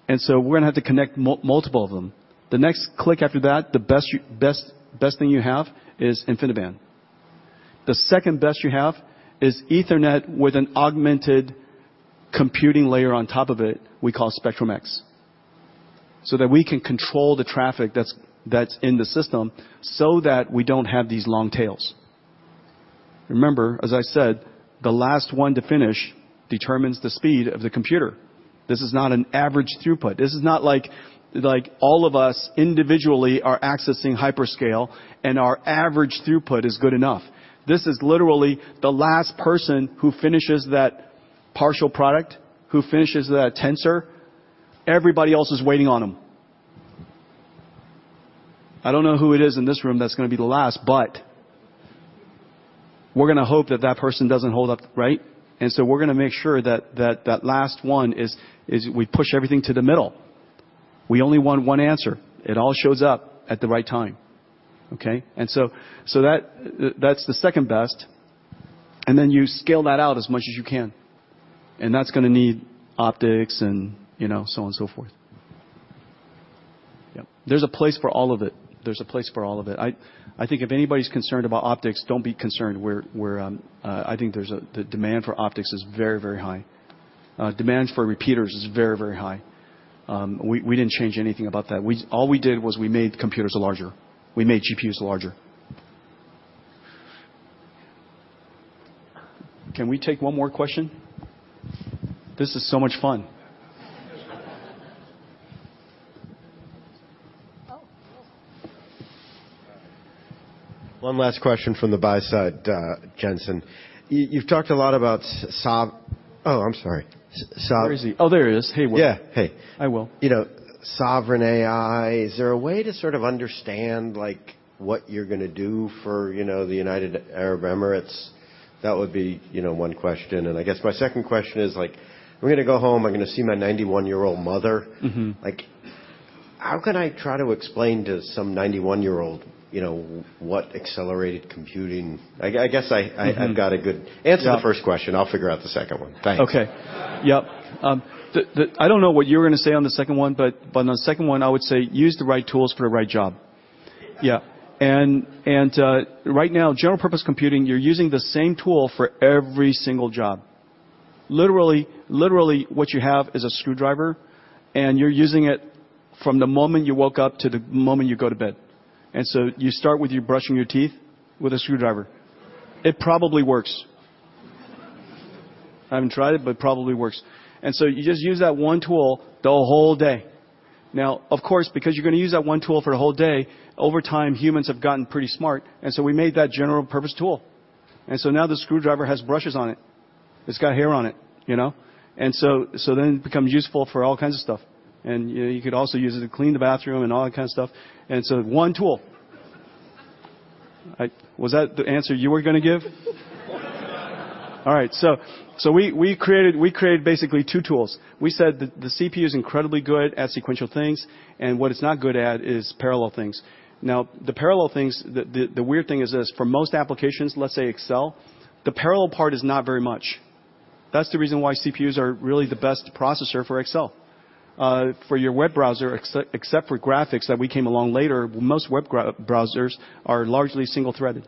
And so we're going to have to connect multiple of them. The next click after that, the best thing you have is InfiniBand. The second best you have is Ethernet with an augmented computing layer on top of it we call Spectrum-X so that we can control the traffic that's in the system so that we don't have these long tails. Remember, as I said, the last one to finish determines the speed of the computer. This is not an average throughput. This is not like all of us individually are accessing hyperscale and our average throughput is good enough. This is literally the last person who finishes that partial product, who finishes that tensor. Everybody else is waiting on them. I don't know who it is in this room that's going to be the last, but we're going to hope that that person doesn't hold up, right? And so we're going to make sure that that last one is we push everything to the middle. We only want one answer. It all shows up at the right time. Okay? And so that's the second best. And then you scale that out as much as you can. And that's going to need optics and so on and so forth. Yep. There's a place for all of it. There's a place for all of it. I think if anybody's concerned about optics, don't be concerned. I think the demand for optics is very, very high. Demand for repeaters is very, very high. We didn't change anything about that. All we did was we made computers larger. We made GPUs larger. Can we take one more question? This is so much fun. One last question from the buy side, Jensen. You've talked a lot about oh, I'm sorry. There is. Oh, there is. Hey, Will. Yeah. Hey. I will. Sovereign AI, is there a way to sort of understand what you're going to do for the United Arab Emirates? That would be one question. And I guess my second question is, I'm going to go home. I'm going to see my 91-year-old mother. How can I try to explain to some 91-year-old what accelerated computing? I guess I've got a good answer to the first question. I'll figure out the second one. Thanks. Okay. Yep. I don't know what you were going to say on the second one, but on the second one, I would say use the right tools for the right job. Yeah. And right now, general-purpose computing, you're using the same tool for every single job. Literally, what you have is a screwdriver, and you're using it from the moment you woke up to the moment you go to bed. And so you start with you brushing your teeth with a screwdriver. It probably works. I haven't tried it, but it probably works. And so you just use that one tool the whole day. Now, of course, because you're going to use that one tool for the whole day, over time, humans have gotten pretty smart. And so we made that general-purpose tool. And so now the screwdriver has brushes on it. It's got hair on it. It becomes useful for all kinds of stuff. You could also use it to clean the bathroom and all that kind of stuff. So one tool. Was that the answer you were going to give? All right. We created basically two tools. We said the CPU is incredibly good at sequential things, and what it's not good at is parallel things. Now, the weird thing is this. For most applications, let's say Excel, the parallel part is not very much. That's the reason why CPUs are really the best processor for Excel, for your web browser, except for graphics that we came along later. Most web browsers are largely single-threaded.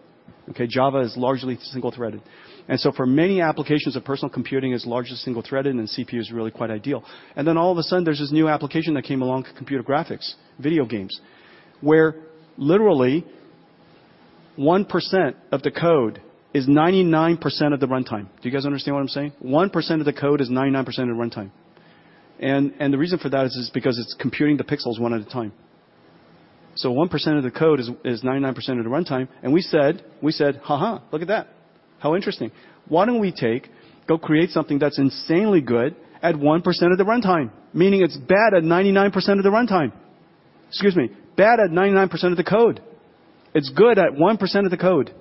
Okay? Java is largely single-threaded. For many applications, personal computing is largely single-threaded, and CPU is really quite ideal. And then all of a sudden, there's this new application that came along, computer graphics, video games, where literally 1% of the code is 99% of the runtime. Do you guys understand what I'm saying? 1% of the code is 99% of the runtime. And the reason for that is because it's computing the pixels one at a time. So 1% of the code is 99% of the runtime. And we said, "Ha-ha. Look at that. How interesting. Why don't we go create something that's insanely good at 1% of the runtime, meaning it's bad at 99% of the runtime? Excuse me, bad at 99% of the code. It's good at 1% of the code."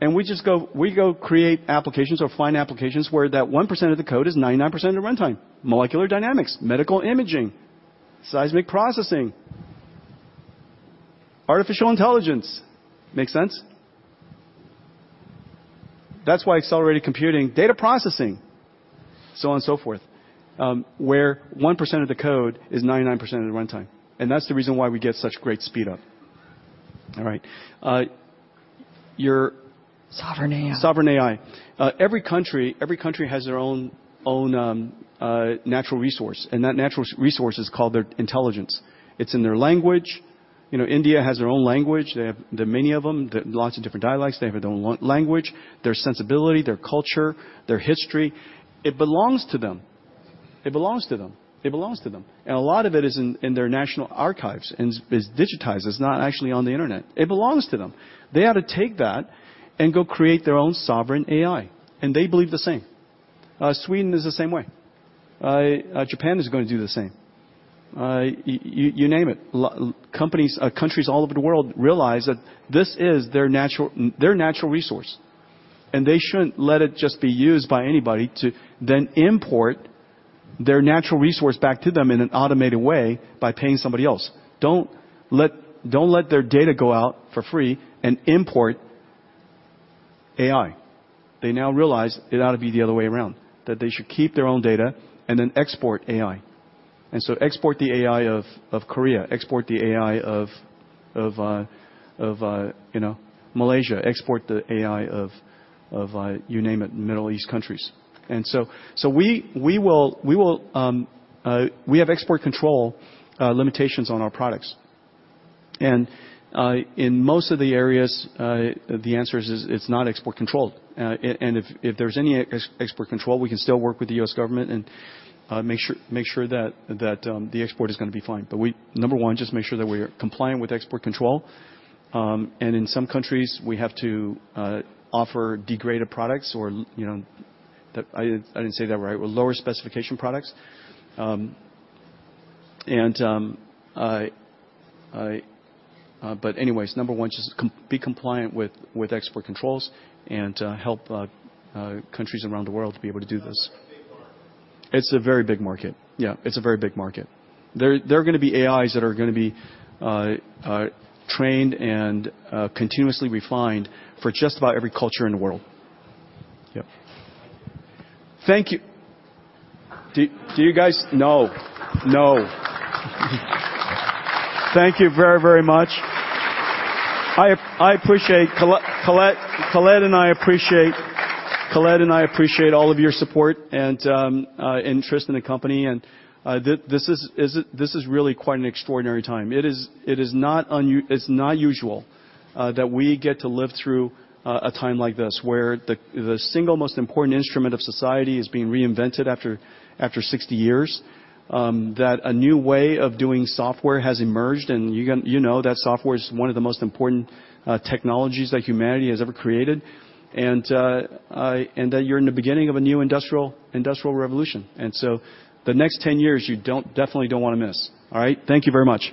And we just go create applications or find applications where that 1% of the code is 99% of the runtime: molecular dynamics, medical imaging, seismic processing, artificial intelligence. Make sense? That's why accelerated computing, data processing, so on and so forth, where 1% of the code is 99% of the runtime. And that's the reason why we get such great speed up. All right. Your. Sovereign AI. Sovereign AI. Every country has their own natural resource, and that natural resource is called their intelligence. It's in their language. India has their own language. They have many of them, lots of different dialects. They have their own language, their sensibility, their culture, their history. It belongs to them. It belongs to them. It belongs to them. And a lot of it is in their national archives and is digitized. It's not actually on the internet. It belongs to them. They ought to take that and go create their own sovereign AI. And they believe the same. Sweden is the same way. Japan is going to do the same. You name it. Countries all over the world realize that this is their natural resource, and they shouldn't let it just be used by anybody to then import their natural resource back to them in an automated way by paying somebody else. Don't let their data go out for free and import AI. They now realize it ought to be the other way around, that they should keep their own data and then export AI. And so export the AI of Korea, export the AI of Malaysia, export the AI of, you name it, Middle East countries. And so we will have export control limitations on our products. And in most of the areas, the answer is it's not export controlled. And if there's any export control, we can still work with the U.S. government and make sure that the export is going to be fine. But number one, just make sure that we're compliant with export control. And in some countries, we have to offer degraded products or I didn't say that right, lower specification products. But anyways, number one, just be compliant with export controls and help countries around the world to be able to do this. It's a very big market. Yeah. It's a very big market. There are going to be AIs that are going to be trained and continuously refined for just about every culture in the world. Yep. Thank you. Do you guys know? No. Thank you very, very much. Colette and I appreciate all of your support and interest in the company. And this is really quite an extraordinary time. It is not usual that we get to live through a time like this where the single most important instrument of society is being reinvented after 60 years, that a new way of doing software has emerged, and you know that software is one of the most important technologies that humanity has ever created, and that you're in the beginning of a new industrial revolution. And so the next 10 years, you definitely don't want to miss. All right? Thank you very much.